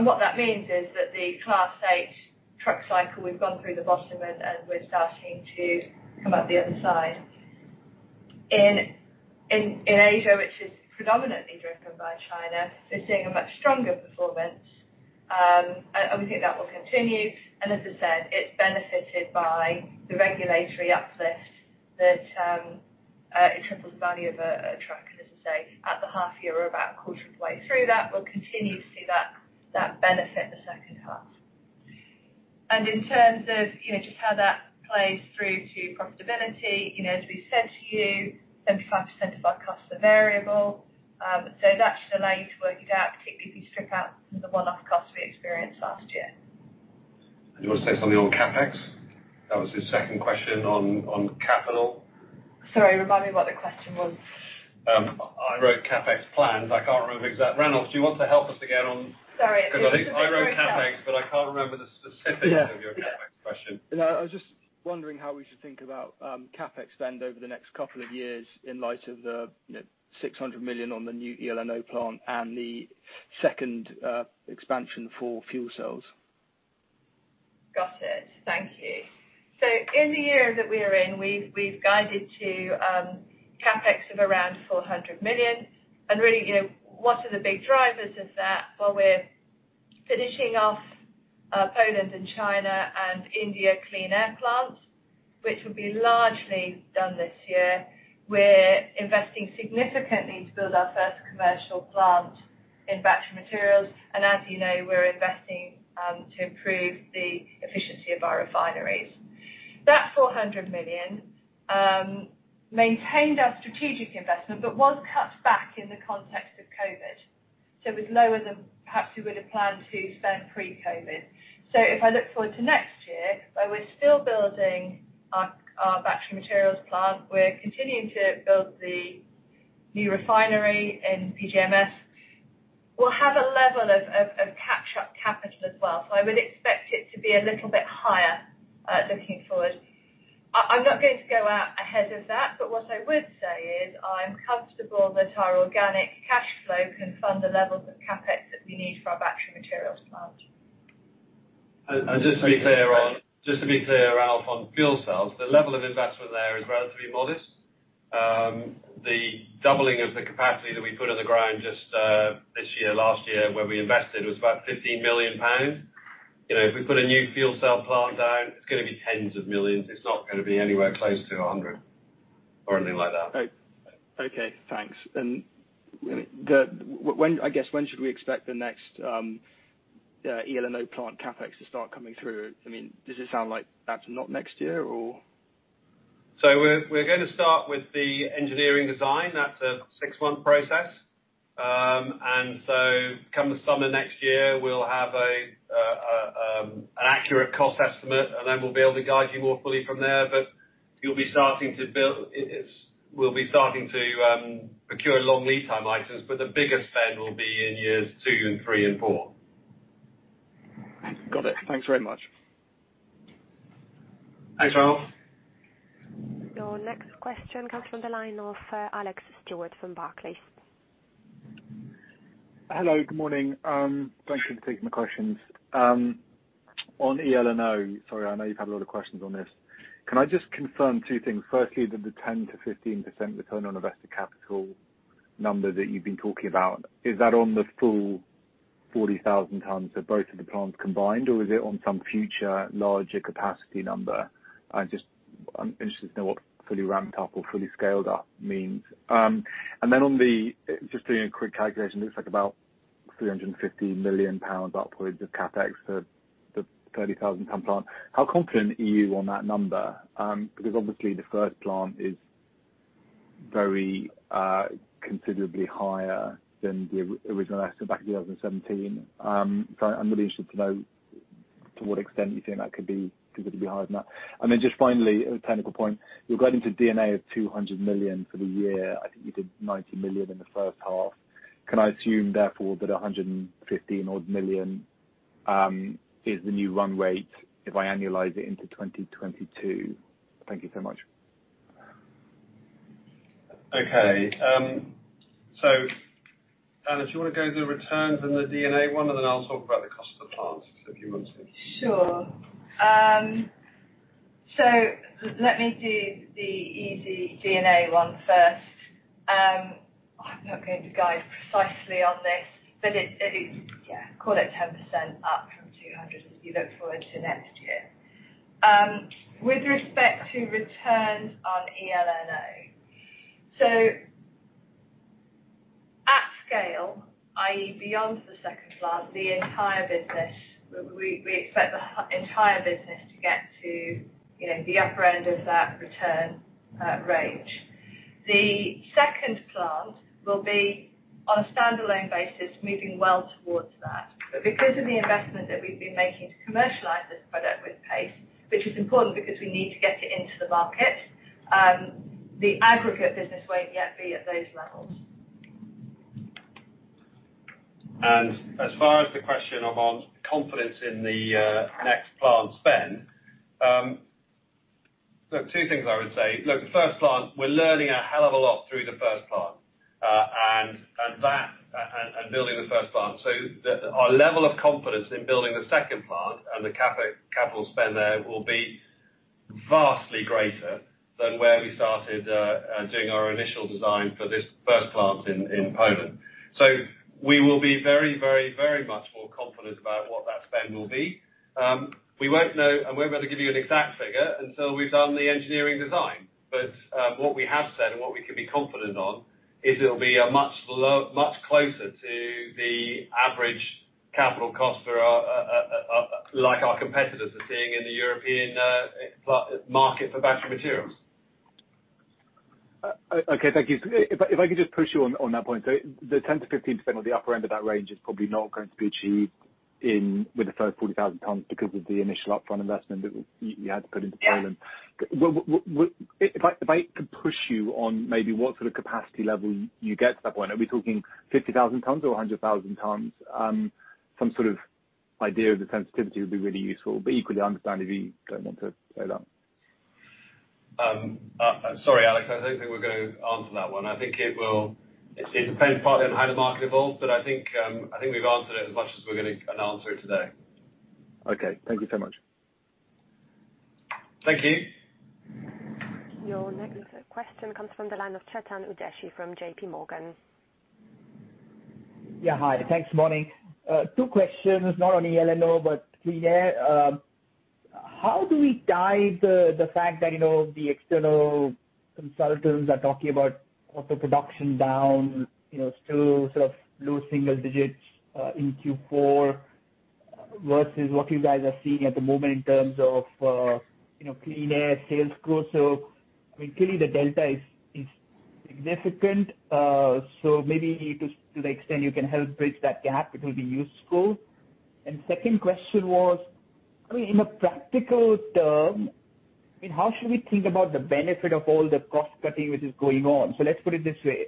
[SPEAKER 4] What that means is that the Class 8 truck cycle, we've gone through the bottom end, and we're starting to come out the other side. In Asia, which is predominantly driven by China, we're seeing a much stronger performance. We think that will continue, and as I said, it's benefited by the regulatory uplift in terms of value of a truck, as I say, at the half year, we're about a quarter of the way through that. We'll continue to see that benefit in the second half. In terms of just how that plays through to profitability, as we said to you, 75% of our costs are variable. That should allow you to work it out, particularly if you strip out the one-off costs we experienced last year.
[SPEAKER 3] Do you want to say something on CapEx? That was his second question on capital.
[SPEAKER 4] Sorry, remind me what the question was?
[SPEAKER 3] I wrote CapEx plans. I can't remember exact Ranulf, do you want to help us again?
[SPEAKER 4] Sorry.
[SPEAKER 3] I wrote CapEx, but I can't remember the specifics.
[SPEAKER 7] Yeah
[SPEAKER 3] Of your CapEx question.
[SPEAKER 7] No, I was just wondering how we should think about CapEx spend over the next couple of years in light of the 600 million on the new eLNO plant and the second expansion for fuel cells?
[SPEAKER 4] Got it. Thank you. In the year that we are in, we've guided to CapEx of around 400 million. Really, what are the big drivers of that? We're finishing off our Poland and China and India Clean Air plants, which will be largely done this year. We're investing significantly to build our first commercial plant in Battery Materials. As you know, we're investing to improve the efficiency of our refineries. That 400 million maintained our strategic investment but was cut back in the context of COVID. It was lower than perhaps we would have planned to spend pre-COVID. If I look forward to next year, where we're still building our Battery Materials plant, we're continuing to build the new refinery in PGMs. We'll have a level of catch-up capital as well. I would expect it to be a little bit higher looking forward. I'm not going to go out ahead of that, but what I would say is I'm comfortable that our organic cash flow can fund the levels of CapEx that we need for our Battery Materials plant.
[SPEAKER 3] Just to be clear, Ranulf, on fuel cells, the level of investment there is relatively modest. The doubling of the capacity that we put in the ground just this year, last year, where we invested was about 15 million pounds. If we put a new fuel cell plant down, it's going to be tens of millions. It's not going to be anywhere close to 100 million or anything like that.
[SPEAKER 7] Okay. Thanks. I guess when should we expect the next eLNO plant CapEx to start coming through? Does it sound like perhaps not next year or?
[SPEAKER 3] We're going to start with the engineering design. That's a six-month process. Come the summer next year, we'll have an accurate cost estimate, and then we'll be able to guide you more fully from there. We'll be starting to procure long lead time items, but the biggest spend will be in years two and three and four.
[SPEAKER 7] Got it. Thanks very much.
[SPEAKER 3] Thanks, Ranulf.
[SPEAKER 1] Your next question comes from the line of Alex Stewart from Barclays.
[SPEAKER 8] Hello. Good morning. Thanks for taking the questions. On eLNO, sorry, I know you've had a lot of questions on this. Can I just confirm two things? Firstly, that the 10%-15% return on invested capital number that you've been talking about, is that on the full 40,000 tons of both of the plants combined, or is it on some future larger capacity number? I'm interested to know what fully ramped up or fully scaled up means. Just doing a quick calculation, looks like about 350 million pounds upwards of CapEx for the 30,000 ton plant. How confident are you on that number? Obviously the first plant is very considerably higher than the original estimate back in 2017. I'm really interested to know to what extent you think that could be considerably higher than that. Just finally, a technical point, you're guiding to D&A of 200 million for the year. I think you did 90 million in the first half. Can I assume, therefore, that 150 odd million is the new run rate if I annualize it into 2022? Thank you so much.
[SPEAKER 3] Okay. Anna, do you want to go the returns and the D&A one, and then I'll talk about the cost of the plant if you want to.
[SPEAKER 4] Sure. Let me do the easy D&A one first. I'm not going to guide precisely on this, but it is, yeah, call it 10% up from 200 million as we look forward to next year. With respect to returns on eLNO. Scale, i.e., beyond the second plant, we expect the entire business to get to the upper end of that return range. The second plant will be on a standalone basis, moving well towards that. Because of the investment that we've been making to commercialize this product with pace, which is important because we need to get it into the market, the aggregate business won't yet be at those levels.
[SPEAKER 3] As far as the question on confidence in the next plant spend, there are two things I would say. Look, we're learning a hell of a lot through the first plant and building the first plant. Our level of confidence in building the second plant and the capital spend there will be vastly greater than where we started doing our initial design for this first plant in Poland. We will be very much more confident about what that spend will be. We won't be able to give you an exact figure until we've done the engineering design. What we have said and what we can be confident on is it'll be much closer to the average capital cost like our competitors are seeing in the European market for battery materials.
[SPEAKER 8] Okay. Thank you. If I could just push you on that point. The 10%-15% on the upper end of that range is probably not going to be achieved with the first 40,000 tonnes because of the initial upfront investment that you had to put into Poland.
[SPEAKER 3] Yeah.
[SPEAKER 8] If I could push you on maybe what sort of capacity level you get to that point. Are we talking 50,000 tons or 100,000 tons? Some sort of idea of the sensitivity would be really useful, but equally I understand if you don't want to say that.
[SPEAKER 3] Sorry, Alex, I don't think we're going to answer that one. I think it depends partly on how the market evolves. I think we've answered it as much as we're going to answer it today.
[SPEAKER 8] Okay. Thank you so much.
[SPEAKER 3] Thank you.
[SPEAKER 1] Your next question comes from the line of Chetan Udeshi from JPMorgan.
[SPEAKER 9] Yeah. Hi. Thanks. Morning. Two questions, not on eLNO, but Clean Air. How do we tie the fact that the external consultants are talking about auto production down to low single digits in Q4 versus what you guys are seeing at the moment in terms of Clean Air sales growth? Clearly the delta is significant. Maybe to the extent you can help bridge that gap, it will be useful. Second question was, in a practical term, how should we think about the benefit of all the cost-cutting which is going on? Let's put it this way.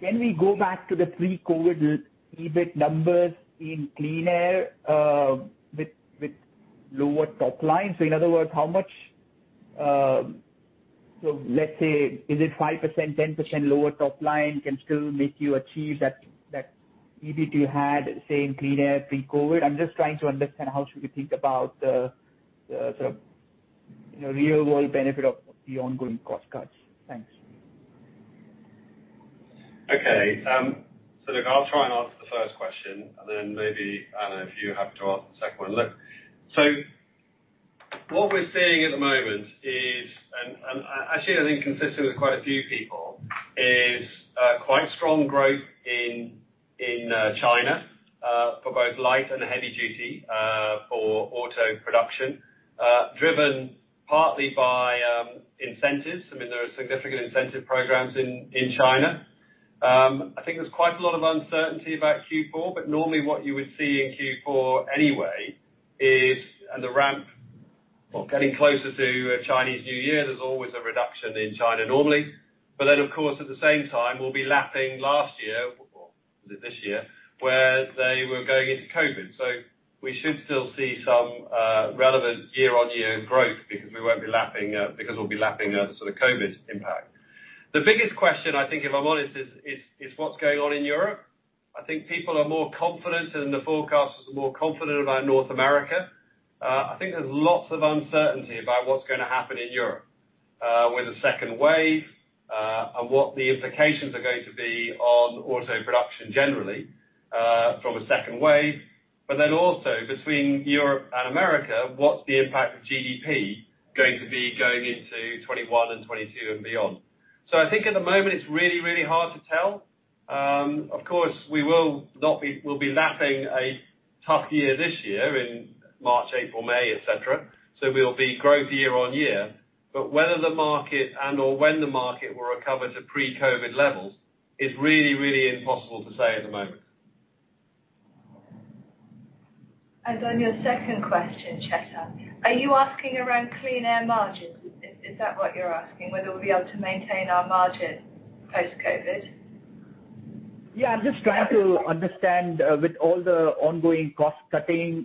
[SPEAKER 9] Can we go back to the pre-COVID EBIT numbers in Clean Air with lower top line? In other words, let's say, is it 5%-10% lower top line can still make you achieve that EBIT you had, say, in Clean Air pre-COVID? I'm just trying to understand how should we think about the real-world benefit of the ongoing cost cuts? Thanks.
[SPEAKER 3] Okay. Look, I'll try and answer the first question, and then maybe, Anna, if you happen to answer the second one. Look, what we're seeing at the moment is, and actually I think consistent with quite a few people, is quite strong growth in China for both light and heavy duty for auto production, driven partly by incentives. There are significant incentive programs in China. I think there's quite a lot of uncertainty about Q4, but normally what you would see in Q4 anyway is the ramp getting closer to Chinese New Year. There's always a reduction in China normally. Of course, at the same time, we'll be lapping last year, this year, where they were going into COVID. We should still see some relevant year-on-year growth because we'll be lapping the COVID impact. The biggest question, I think, if I'm honest, is what's going on in Europe. I think people are more confident and the forecasts are more confident about North America. I think there's lots of uncertainty about what's going to happen in Europe with the second wave and what the implications are going to be on auto production generally from a second wave. Also between Europe and America, what's the impact of GDP going to be going into 2021 and 2022 and beyond? I think at the moment it's really hard to tell. Of course, we'll be lapping a tough year this year in March, April, May, et cetera. We'll be growth year on year. Whether the market and/or when the market will recover to pre-COVID levels is really impossible to say at the moment.
[SPEAKER 4] On your second question, Chetan, are you asking around Clean Air margins? Is that what you are asking, whether we will be able to maintain our margin post-COVID?
[SPEAKER 9] Yeah, I'm just trying to understand with all the ongoing cost-cutting,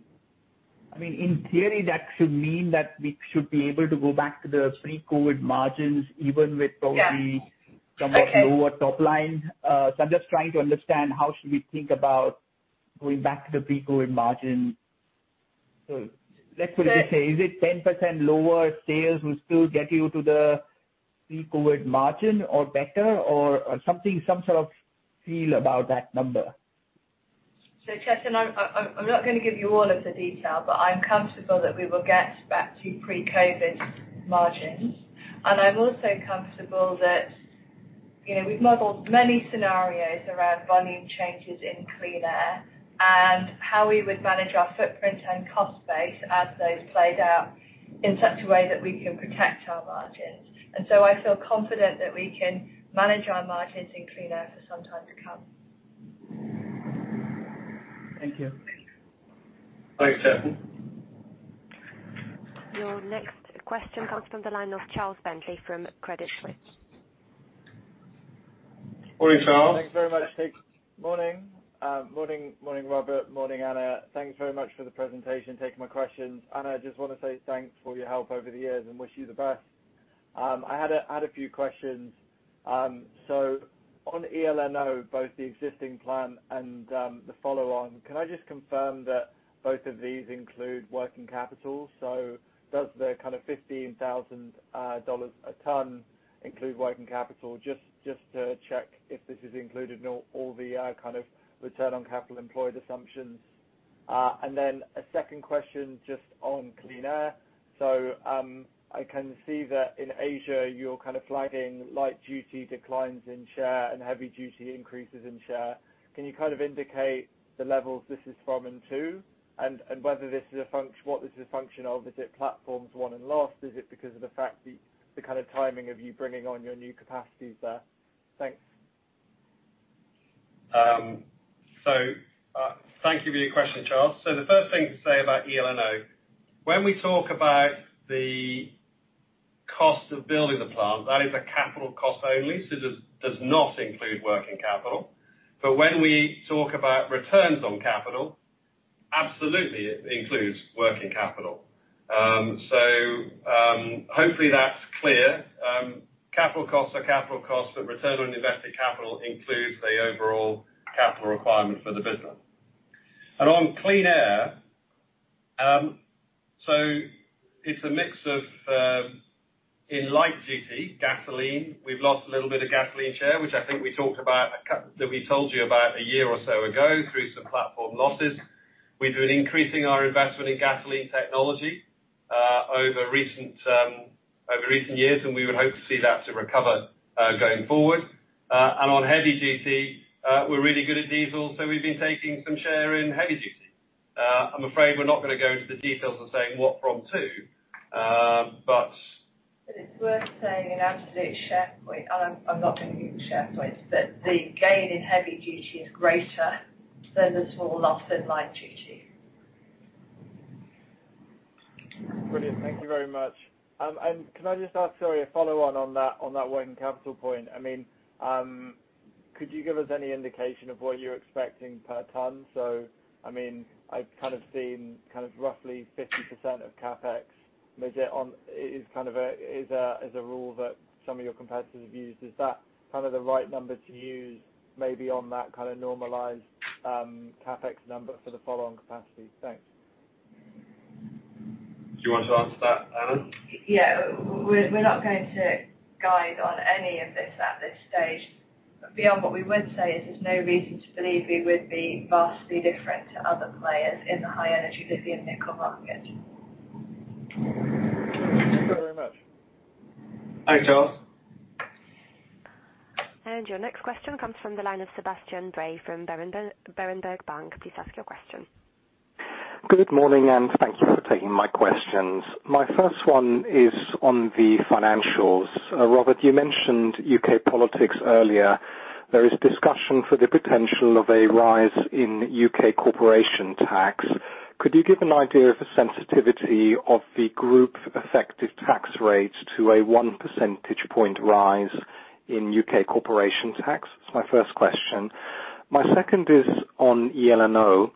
[SPEAKER 9] in theory, that should mean that we should be able to go back to the pre-COVID margins even with.
[SPEAKER 4] Yeah. Okay.
[SPEAKER 9] Somewhat lower top line. I'm just trying to understand how should we think about going back to the pre-COVID margin? Let's put it this way.
[SPEAKER 4] Sure.
[SPEAKER 9] Is it 10% lower sales will still get you to the pre-COVID margin or better, or some sort of feel about that number?
[SPEAKER 4] Chetan, I'm not going to give you all of the detail, but I'm comfortable that we will get back to pre-COVID margins. I'm also comfortable that we've modeled many scenarios around volume changes in Clean Air and how we would manage our footprint and cost base as those played out in such a way that we can protect our margins. I feel confident that we can manage our margins in Clean Air for some time to come.
[SPEAKER 9] Thank you.
[SPEAKER 3] Thanks, Chetan.
[SPEAKER 1] Your next question comes from the line of Charles Bentley from Credit Suisse.
[SPEAKER 3] Morning, Charles.
[SPEAKER 10] Thanks very much. Morning, Robert. Morning, Anna. Thanks very much for the presentation, taking my questions. Anna, I just want to say thanks for your help over the years and wish you the best. I had a few questions. On eLNO, both the existing plan and the follow-on, can I just confirm that both of these include working capital? Does the kind of $15,000 a ton include working capital? Just to check if this is included in all the kind of return on capital employed assumptions. A second question just on Clean Air. I can see that in Asia, you're kind of flagging light duty declines in share and heavy duty increases in share. Can you kind of indicate the levels this is from and to, and what this is a function of? Is it platforms won and lost? Is it because of the fact the kind of timing of you bringing on your new capacities there? Thanks.
[SPEAKER 3] Thank you for your question, Charles. The first thing to say about eLNO, when we talk about the cost of building the plant, that is a capital cost only. This does not include working capital. When we talk about returns on capital, absolutely it includes working capital. Hopefully that's clear. Capital costs are capital costs, but return on invested capital includes the overall capital requirement for the business. On Clean Air, it's a mix of, in light duty, gasoline. We've lost a little bit of gasoline share, which I think we told you about a year or so ago through some platform losses. We've been increasing our investment in gasoline technology over recent years, and we would hope to see that to recover going forward. On heavy duty, we're really good at diesel, so we've been taking some share in heavy duty. I'm afraid we're not going to go into the details of saying what from to but.
[SPEAKER 4] It's worth saying in absolute share point, I'm not giving you the share points, but the gain in heavy duty is greater than the small loss in light duty.
[SPEAKER 10] Brilliant. Thank you very much. Can I just ask, sorry, a follow-on on that working capital point. Could you give us any indication of what you're expecting per ton? I've kind of seen roughly 50% of CapEx is a rule that some of your competitors have used. Is that kind of the right number to use maybe on that kind of normalized CapEx number for the following capacities? Thanks.
[SPEAKER 3] Do you want to answer that, Anna?
[SPEAKER 4] Yeah. We're not going to guide on any of this at this stage. Beyond what we would say is there's no reason to believe we would be vastly different to other players in the high energy lithium nickel market.
[SPEAKER 10] Thank you very much.
[SPEAKER 3] Thanks, Charles.
[SPEAKER 1] Your next question comes from the line of Sebastian Bray from Berenberg Bank. Please ask your question.
[SPEAKER 11] Good morning, thank you for taking my questions. My first one is on the financials. Robert, you mentioned U.K. politics earlier. There is discussion for the potential of a rise in U.K. corporation tax. Could you give an idea of the sensitivity of the group effective tax rate to a 1% pitch point rise in U.K. corporation tax? That's my first question. My second is on eLNO.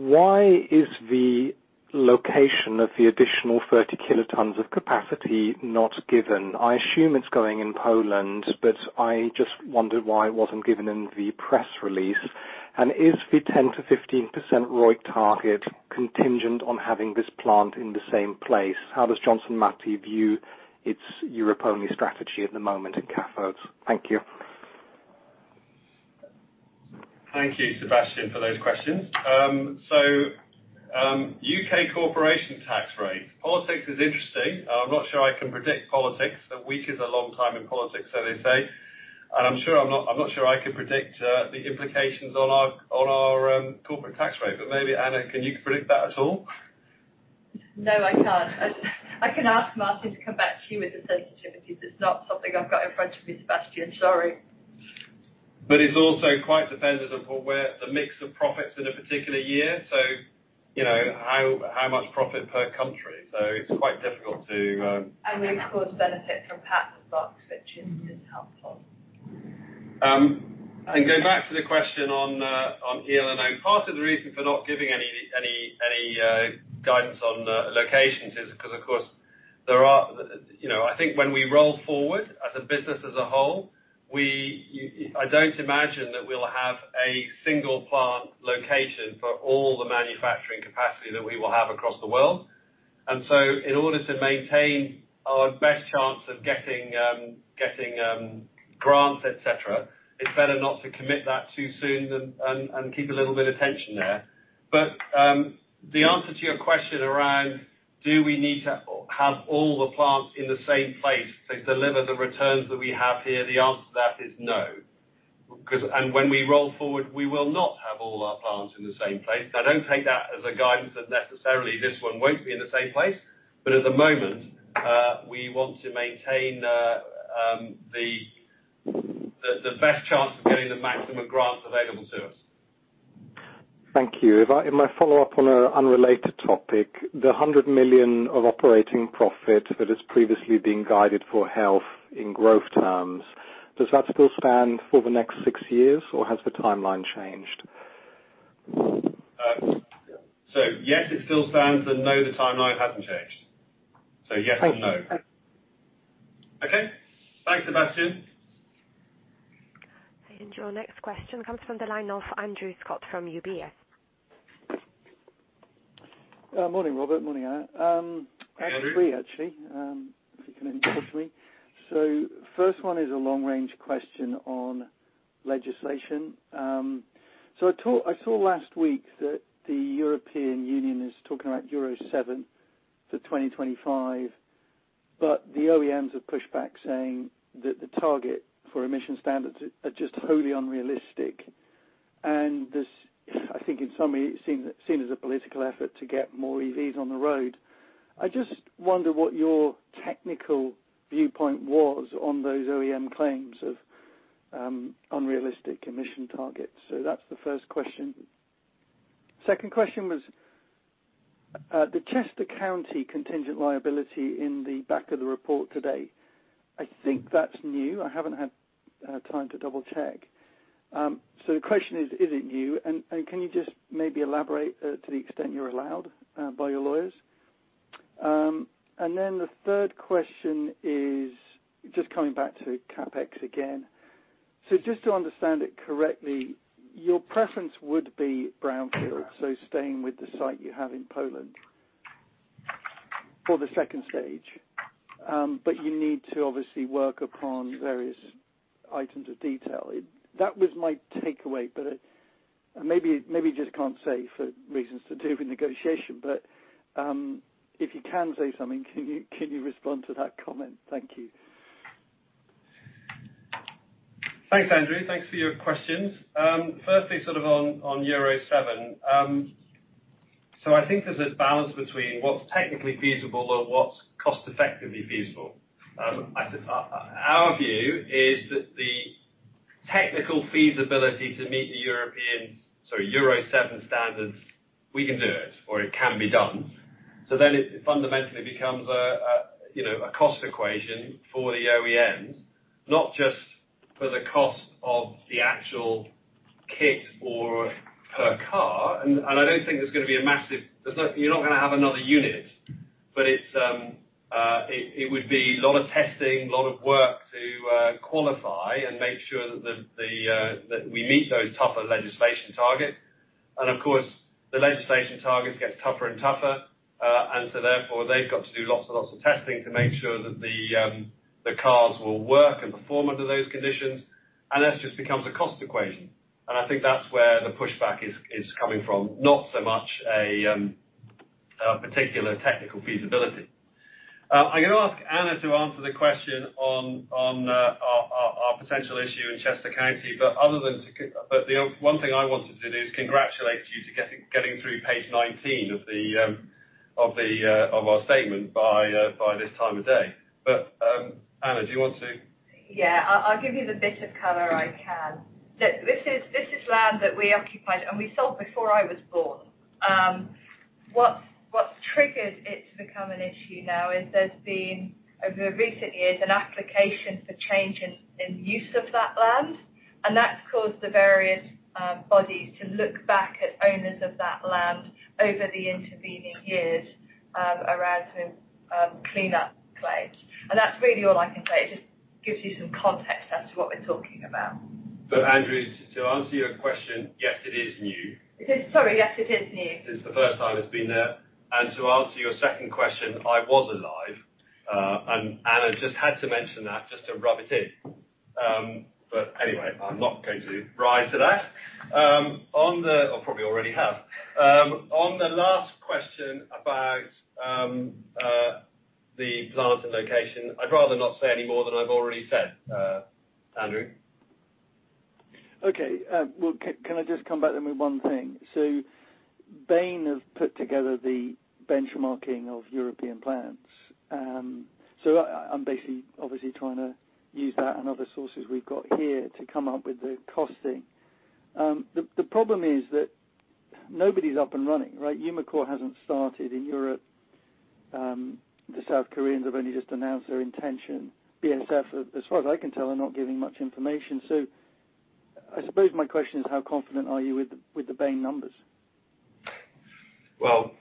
[SPEAKER 11] Why is the location of the additional 30 kt of capacity not given? I assume it's going in Poland, I just wondered why it wasn't given in the press release. Is the 10%-15% ROIC target contingent on having this plant in the same place? How does Johnson Matthey view its Europe-only strategy at the moment in cathodes? Thank you.
[SPEAKER 3] Thank you, Sebastian, for those questions. U.K. corporation tax rate. Politics is interesting. I'm not sure I can predict politics. A week is a long time in politics, so they say. I'm not sure I can predict the implications on our corporate tax rate, but maybe Anna, can you predict that at all?
[SPEAKER 4] No, I can't. I can ask Martin to come back to you with the sensitivities. It's not something I've got in front of me, Sebastian. Sorry.
[SPEAKER 3] It's also quite dependent on the mix of profits in a particular year. How much profit per country. It's quite difficult.
[SPEAKER 4] We of course benefit from Patent Box, which is helpful.
[SPEAKER 3] Going back to the question on eLNO, part of the reason for not giving any guidance on the locations is because, of course, I think when we roll forward as a business as a whole, I don't imagine that we'll have a single plant location for all the manufacturing capacity that we will have across the world. So in order to maintain our best chance of getting grants, et cetera, it's better not to commit that too soon and keep a little bit of tension there. The answer to your question around do we need to have all the plants in the same place to deliver the returns that we have here, the answer to that is no. When we roll forward, we will not have all our plants in the same place. Don't take that as a guidance that necessarily this one won't be in the same place, but at the moment, we want to maintain the best chance of getting the maximum grants available to us.
[SPEAKER 11] Thank you. If I follow up on an unrelated topic, the 100 million of operating profit that has previously been guided for Health in growth terms, does that still stand for the next six years, or has the timeline changed?
[SPEAKER 3] Yes, it still stands, and no, the timeline hasn't changed. Yes and no.
[SPEAKER 11] Thank you.
[SPEAKER 3] Okay. Thanks, Sebastian.
[SPEAKER 1] Your next question comes from the line of Andrew Scott from UBS.
[SPEAKER 12] Morning, Robert. Morning, Anna.
[SPEAKER 3] Morning.
[SPEAKER 12] Actually, if you can hear me. The first one is a long-range question on legislation. I saw last week that the European Union is talking about Euro 7 for 2025, but the OEMs have pushed back saying that the target for emission standards are just wholly unrealistic, and I think in summary, it's seen as a political effort to get more EVs on the road. I just wonder what your technical viewpoint was on those OEM claims of unrealistic emission targets. That's the first question. Second question was, the Chester County contingent liability in the back of the report today. I think that's new. I haven't had time to double-check. The question is it you, and can you just maybe elaborate to the extent you're allowed by your lawyers? The third question is just coming back to CapEx again. Just to understand it correctly, your preference would be brownfield, so staying with the site you have in Poland for the second stage, but you need to obviously work upon various items of detail. That was my takeaway, but maybe you just can't say for reasons to do with negotiation. If you can say something, can you respond to that comment? Thank you.
[SPEAKER 3] Thanks, Andrew. Thanks for your questions. Sort of on Euro 7. I think there's this balance between what's technically feasible or what's cost effectively feasible. Our view is that the technical feasibility to meet the European Euro 7 standards, we can do it, or it can be done. It fundamentally becomes a cost equation for the OEMs, not just for the cost of the actual kit or per car. I don't think there's going to be another unit, but it would be a lot of testing, a lot of work to qualify and make sure that we meet those tougher legislation targets. Of course, the legislation targets get tougher and tougher. Therefore, they've got to do lots and lots of testing to make sure that the cars will work and perform under those conditions. That just becomes a cost equation. I think that's where the pushback is coming from, not so much a particular technical feasibility. I am going to ask Anna to answer the question on our potential issue in Chester County. The one thing I wanted to do is congratulate you to getting through page 19 of our statement by this time of day. Anna, do you want to?
[SPEAKER 4] I'll give you the bit of color I can. This is land that we occupied and we sold before I was born. What's triggered it to become an issue now is there's been, over recent years, an application for change in use of that land. That's caused the various bodies to look back at owners of that land over the intervening years around clean up claims. That's really all I can say. It just gives you some context as to what we're talking about.
[SPEAKER 3] Andrew, to answer your question, yes, it is new.
[SPEAKER 4] Sorry. Yes, it is new.
[SPEAKER 3] This is the first time it's been there. To answer your second question, I was alive, Anna just had to mention that just to rub it in. Anyway, I'm not going to rise to that. Probably already have. On the last question about the plant and location, I'd rather not say any more than I've already said, Andrew.
[SPEAKER 12] Okay. Well, can I just come back to me one thing? Bain have put together the benchmarking of European plants. I'm basically, obviously, trying to use that and other sources we've got here to come up with the costing. The problem is that nobody is up and running, right? Umicore hasn't started in Europe. The South Koreans have only just announced their intention. BASF, as far as I can tell, are not giving much information. I suppose my question is, how confident are you with the Bain numbers?
[SPEAKER 3] Well,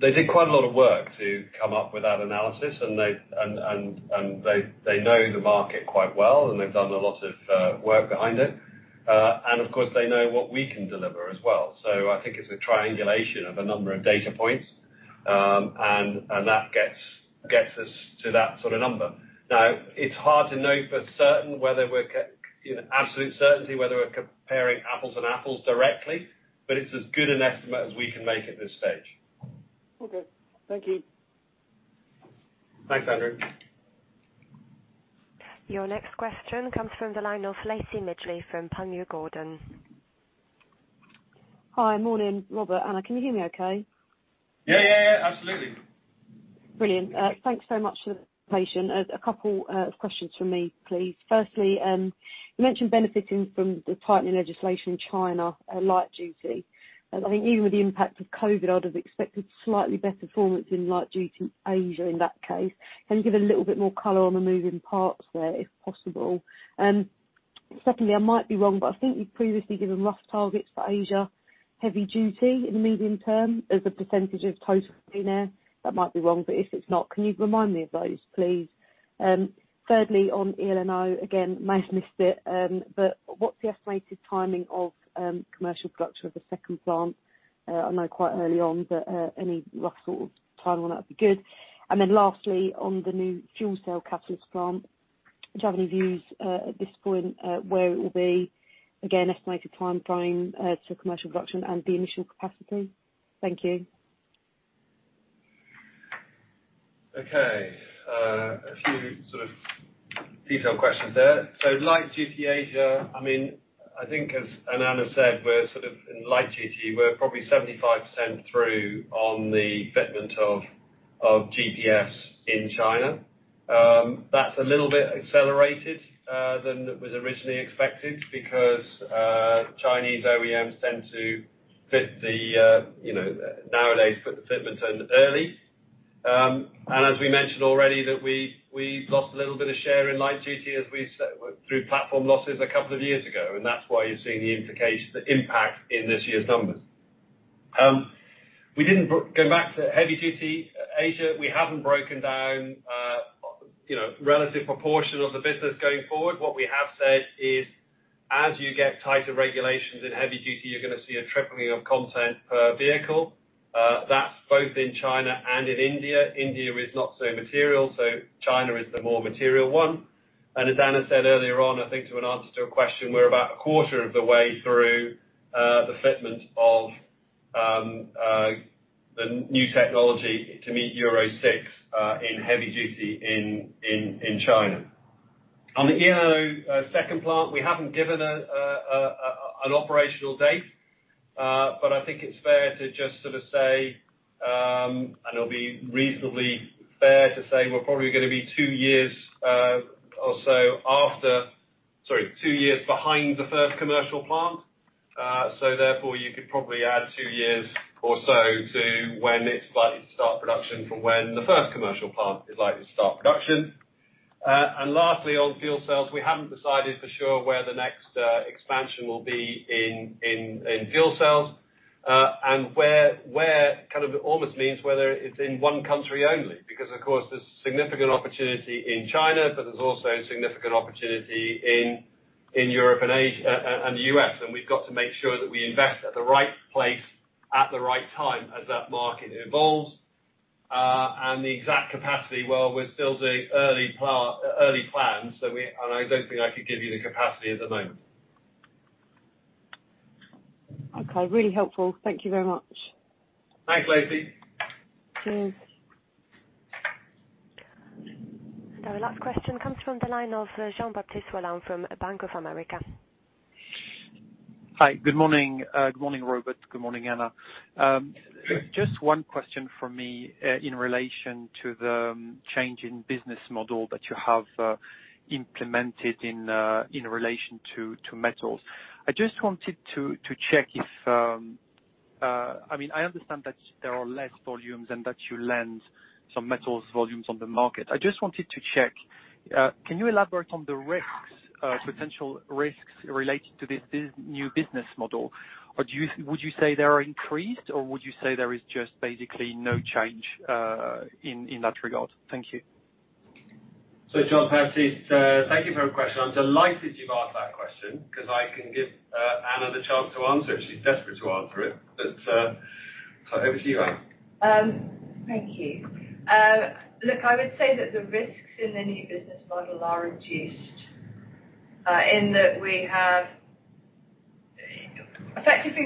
[SPEAKER 3] they did quite a lot of work to come up with that analysis, and they know the market quite well, and they've done a lot of work behind it. Of course, they know what we can deliver as well. I think it's a triangulation of a number of data points, and that gets us to that sort of number. Now, it's hard to know for certain whether we're comparing apples and apples directly, but it's as good an estimate as we can make at this stage.
[SPEAKER 12] Okay. Thank you.
[SPEAKER 3] Thanks, Andrew.
[SPEAKER 1] Your next question comes from the line of Lacey Midgley from Panmure Gordon.
[SPEAKER 13] Hi. Morning, Robert, Anna. Can you hear me okay?
[SPEAKER 3] Yeah. Absolutely.
[SPEAKER 13] Brilliant. Thanks so much for the patience. A couple of questions from me, please. Firstly, you mentioned benefiting from the tightening legislation in China, light duty. I think even with the impact of COVID, I would have expected slightly better performance in light duty Asia in that case. Can you give a little bit more color on the moving parts there, if possible? Secondly, I might be wrong, but I think you have previously given rough targets for Asia, heavy duty in the medium term as a percentage of total there. That might be wrong, but if it is not, can you remind me of those, please? Thirdly, on eLNO again, may have missed it, but what is the estimated timing of commercial production of the second plant? I know quite early on, but any rough sort of timeline on that would be good. Lastly, on the new fuel cell catalyst plant, do you have any views, at this point, where it will be? Again, estimated timeframe for commercial production and the initial capacity. Thank you.
[SPEAKER 3] A few sort of detailed questions there. Light duty Asia, I think as Anna said, we're sort of in light duty. We're probably 75% through on the fitment of GPFs in China. That's a little bit accelerated than was originally expected because Chinese OEMs tend to nowadays fit the fitment in early. As we mentioned already that we lost a little bit of share in light duty through platform losses a couple of years ago, and that's why you're seeing the impact in this year's numbers. Going back to heavy duty Asia, we haven't broken down relative proportion of the business going forward. What we have said is as you get tighter regulations in heavy duty, you're going to see a tripling of content per vehicle. That's both in China and in India. India is not so material, China is the more material one. As Anna said earlier on, I think to an answer to a question, we're about a quarter of the way through the fitment of the new technology to meet Euro VI in heavy duty in China. On the eLNO second plant, we haven't given an operational date, but I think it's fair to just sort of say, and it'll be reasonably fair to say we're probably going to be two years or so, sorry, two years behind the first commercial plant. Therefore, you could probably add two years or so to when it's likely to start production from when the first commercial plant is likely to start production. Lastly, on fuel cells, we haven't decided for sure where the next expansion will be in fuel cells. Where kind of almost means whether it's in one country only, because of course there's significant opportunity in China, but there's also significant opportunity in Europe and the U.S., and we've got to make sure that we invest at the right place at the right time as that market evolves. The exact capacity, well, we're still doing early plans, and I don't think I could give you the capacity at the moment.
[SPEAKER 13] Okay. Really helpful. Thank you very much.
[SPEAKER 3] Thanks, Lacey.
[SPEAKER 13] Cheers.
[SPEAKER 1] Our last question comes from the line of Jean-Baptiste Rolland from Bank of America.
[SPEAKER 14] Hi. Good morning. Good morning, Robert. Good morning, Anna.
[SPEAKER 3] Hey.
[SPEAKER 14] Just one question from me in relation to the change in business model that you have implemented in relation to metals. I understand that there are less volumes and that you lend some metals volumes on the market. I just wanted to check, can you elaborate on the potential risks related to this new business model? Would you say they are increased, or would you say there is just basically no change in that regard? Thank you.
[SPEAKER 3] Jean-Baptiste, thank you for your question. I'm delighted you've asked that question because I can give Anna the chance to answer it. She's desperate to answer it. Over to you, Anna.
[SPEAKER 4] Thank you. Look, I would say that the risks in the new business model are reduced in that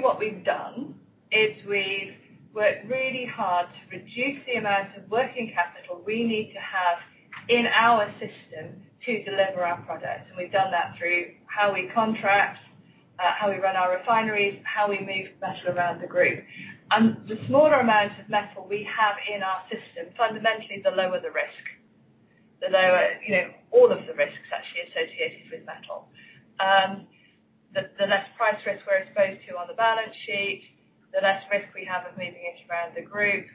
[SPEAKER 4] what we've done is we've worked really hard to reduce the amount of working capital we need to have in our system to deliver our products. We've done that through how we contract, how we run our refineries, how we move metal around the group. The smaller amount of metal we have in our system, fundamentally, the lower the risk. All of the risks actually associated with metal. The less price risk we're exposed to on the balance sheet, the less risk we have of moving it around the group.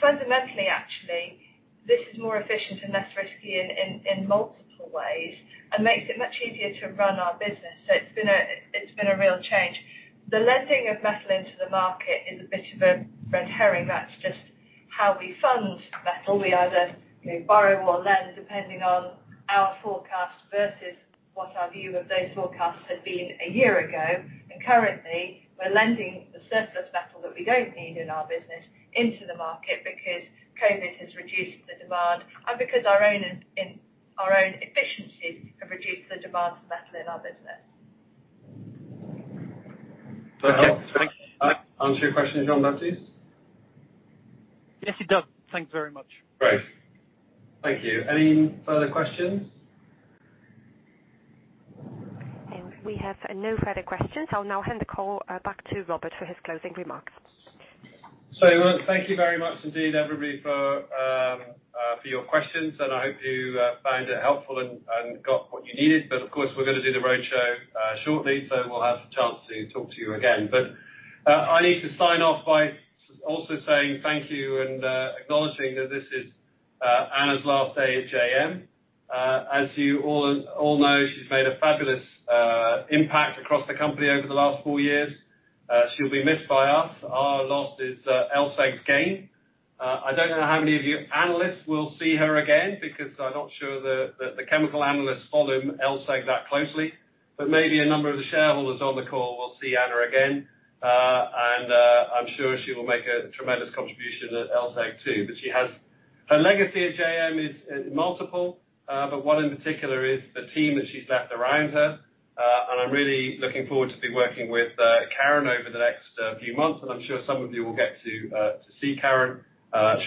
[SPEAKER 4] Fundamentally, actually, this is more efficient and less risky in multiple ways and makes it much easier to run our business. It's been a real change. The lending of metal into the market is a bit of a red herring. That's just how we fund metal, we either borrow or lend depending on our forecast versus what our view of those forecasts had been a year ago. Currently, we're lending the surplus metal that we don't need in our business into the market because COVID has reduced the demand and because our own efficiencies have reduced the demand for metal in our business.
[SPEAKER 3] Does that help answer your question, Jean-Baptiste?
[SPEAKER 14] Yes, it does. Thanks very much.
[SPEAKER 3] Great. Thank you. Any further questions?
[SPEAKER 1] We have no further questions. I'll now hand the call back to Robert for his closing remarks.
[SPEAKER 3] Thank you very much indeed, everybody, for your questions. I hope you found it helpful and got what you needed. Of course, we're going to do the roadshow shortly, so we'll have the chance to talk to you again. I need to sign off by also saying thank you and acknowledging that this is Anna's last day at JM. As you all know, she's made a fabulous impact across the company over the last four years. She'll be missed by us. Our loss is LSEG's gain. I don't know how many of you analysts will see her again, because I'm not sure that the chemical analysts follow LSEG that closely. Maybe a number of the shareholders on the call will see Anna again. I'm sure she will make a tremendous contribution at LSEG too. Her legacy at JM is multiple, but one, in particular, is the team that she's left around her. I'm really looking forward to working with Karen over the next few months. I'm sure some of you will get to see Karen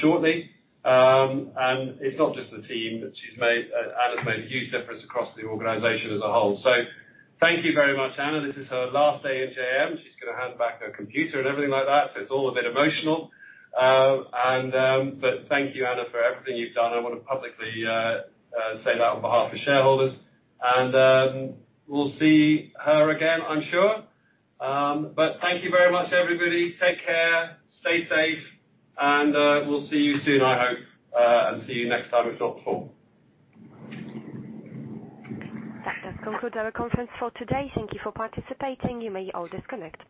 [SPEAKER 3] shortly. It's not just the team that Anna's made a huge difference across the organization as a whole. Thank you very much, Anna. This is her last day at JM. She's going to hand back her computer and everything like that, so it's all a bit emotional. Thank you, Anna, for everything you've done. I want to publicly say that on behalf of shareholders. We'll see her again, I'm sure. Thank you very much, everybody. Take care, stay safe, and we'll see you soon, I hope, and see you next time if not before.
[SPEAKER 1] That does conclude our conference for today. Thank you for participating. You may all disconnect.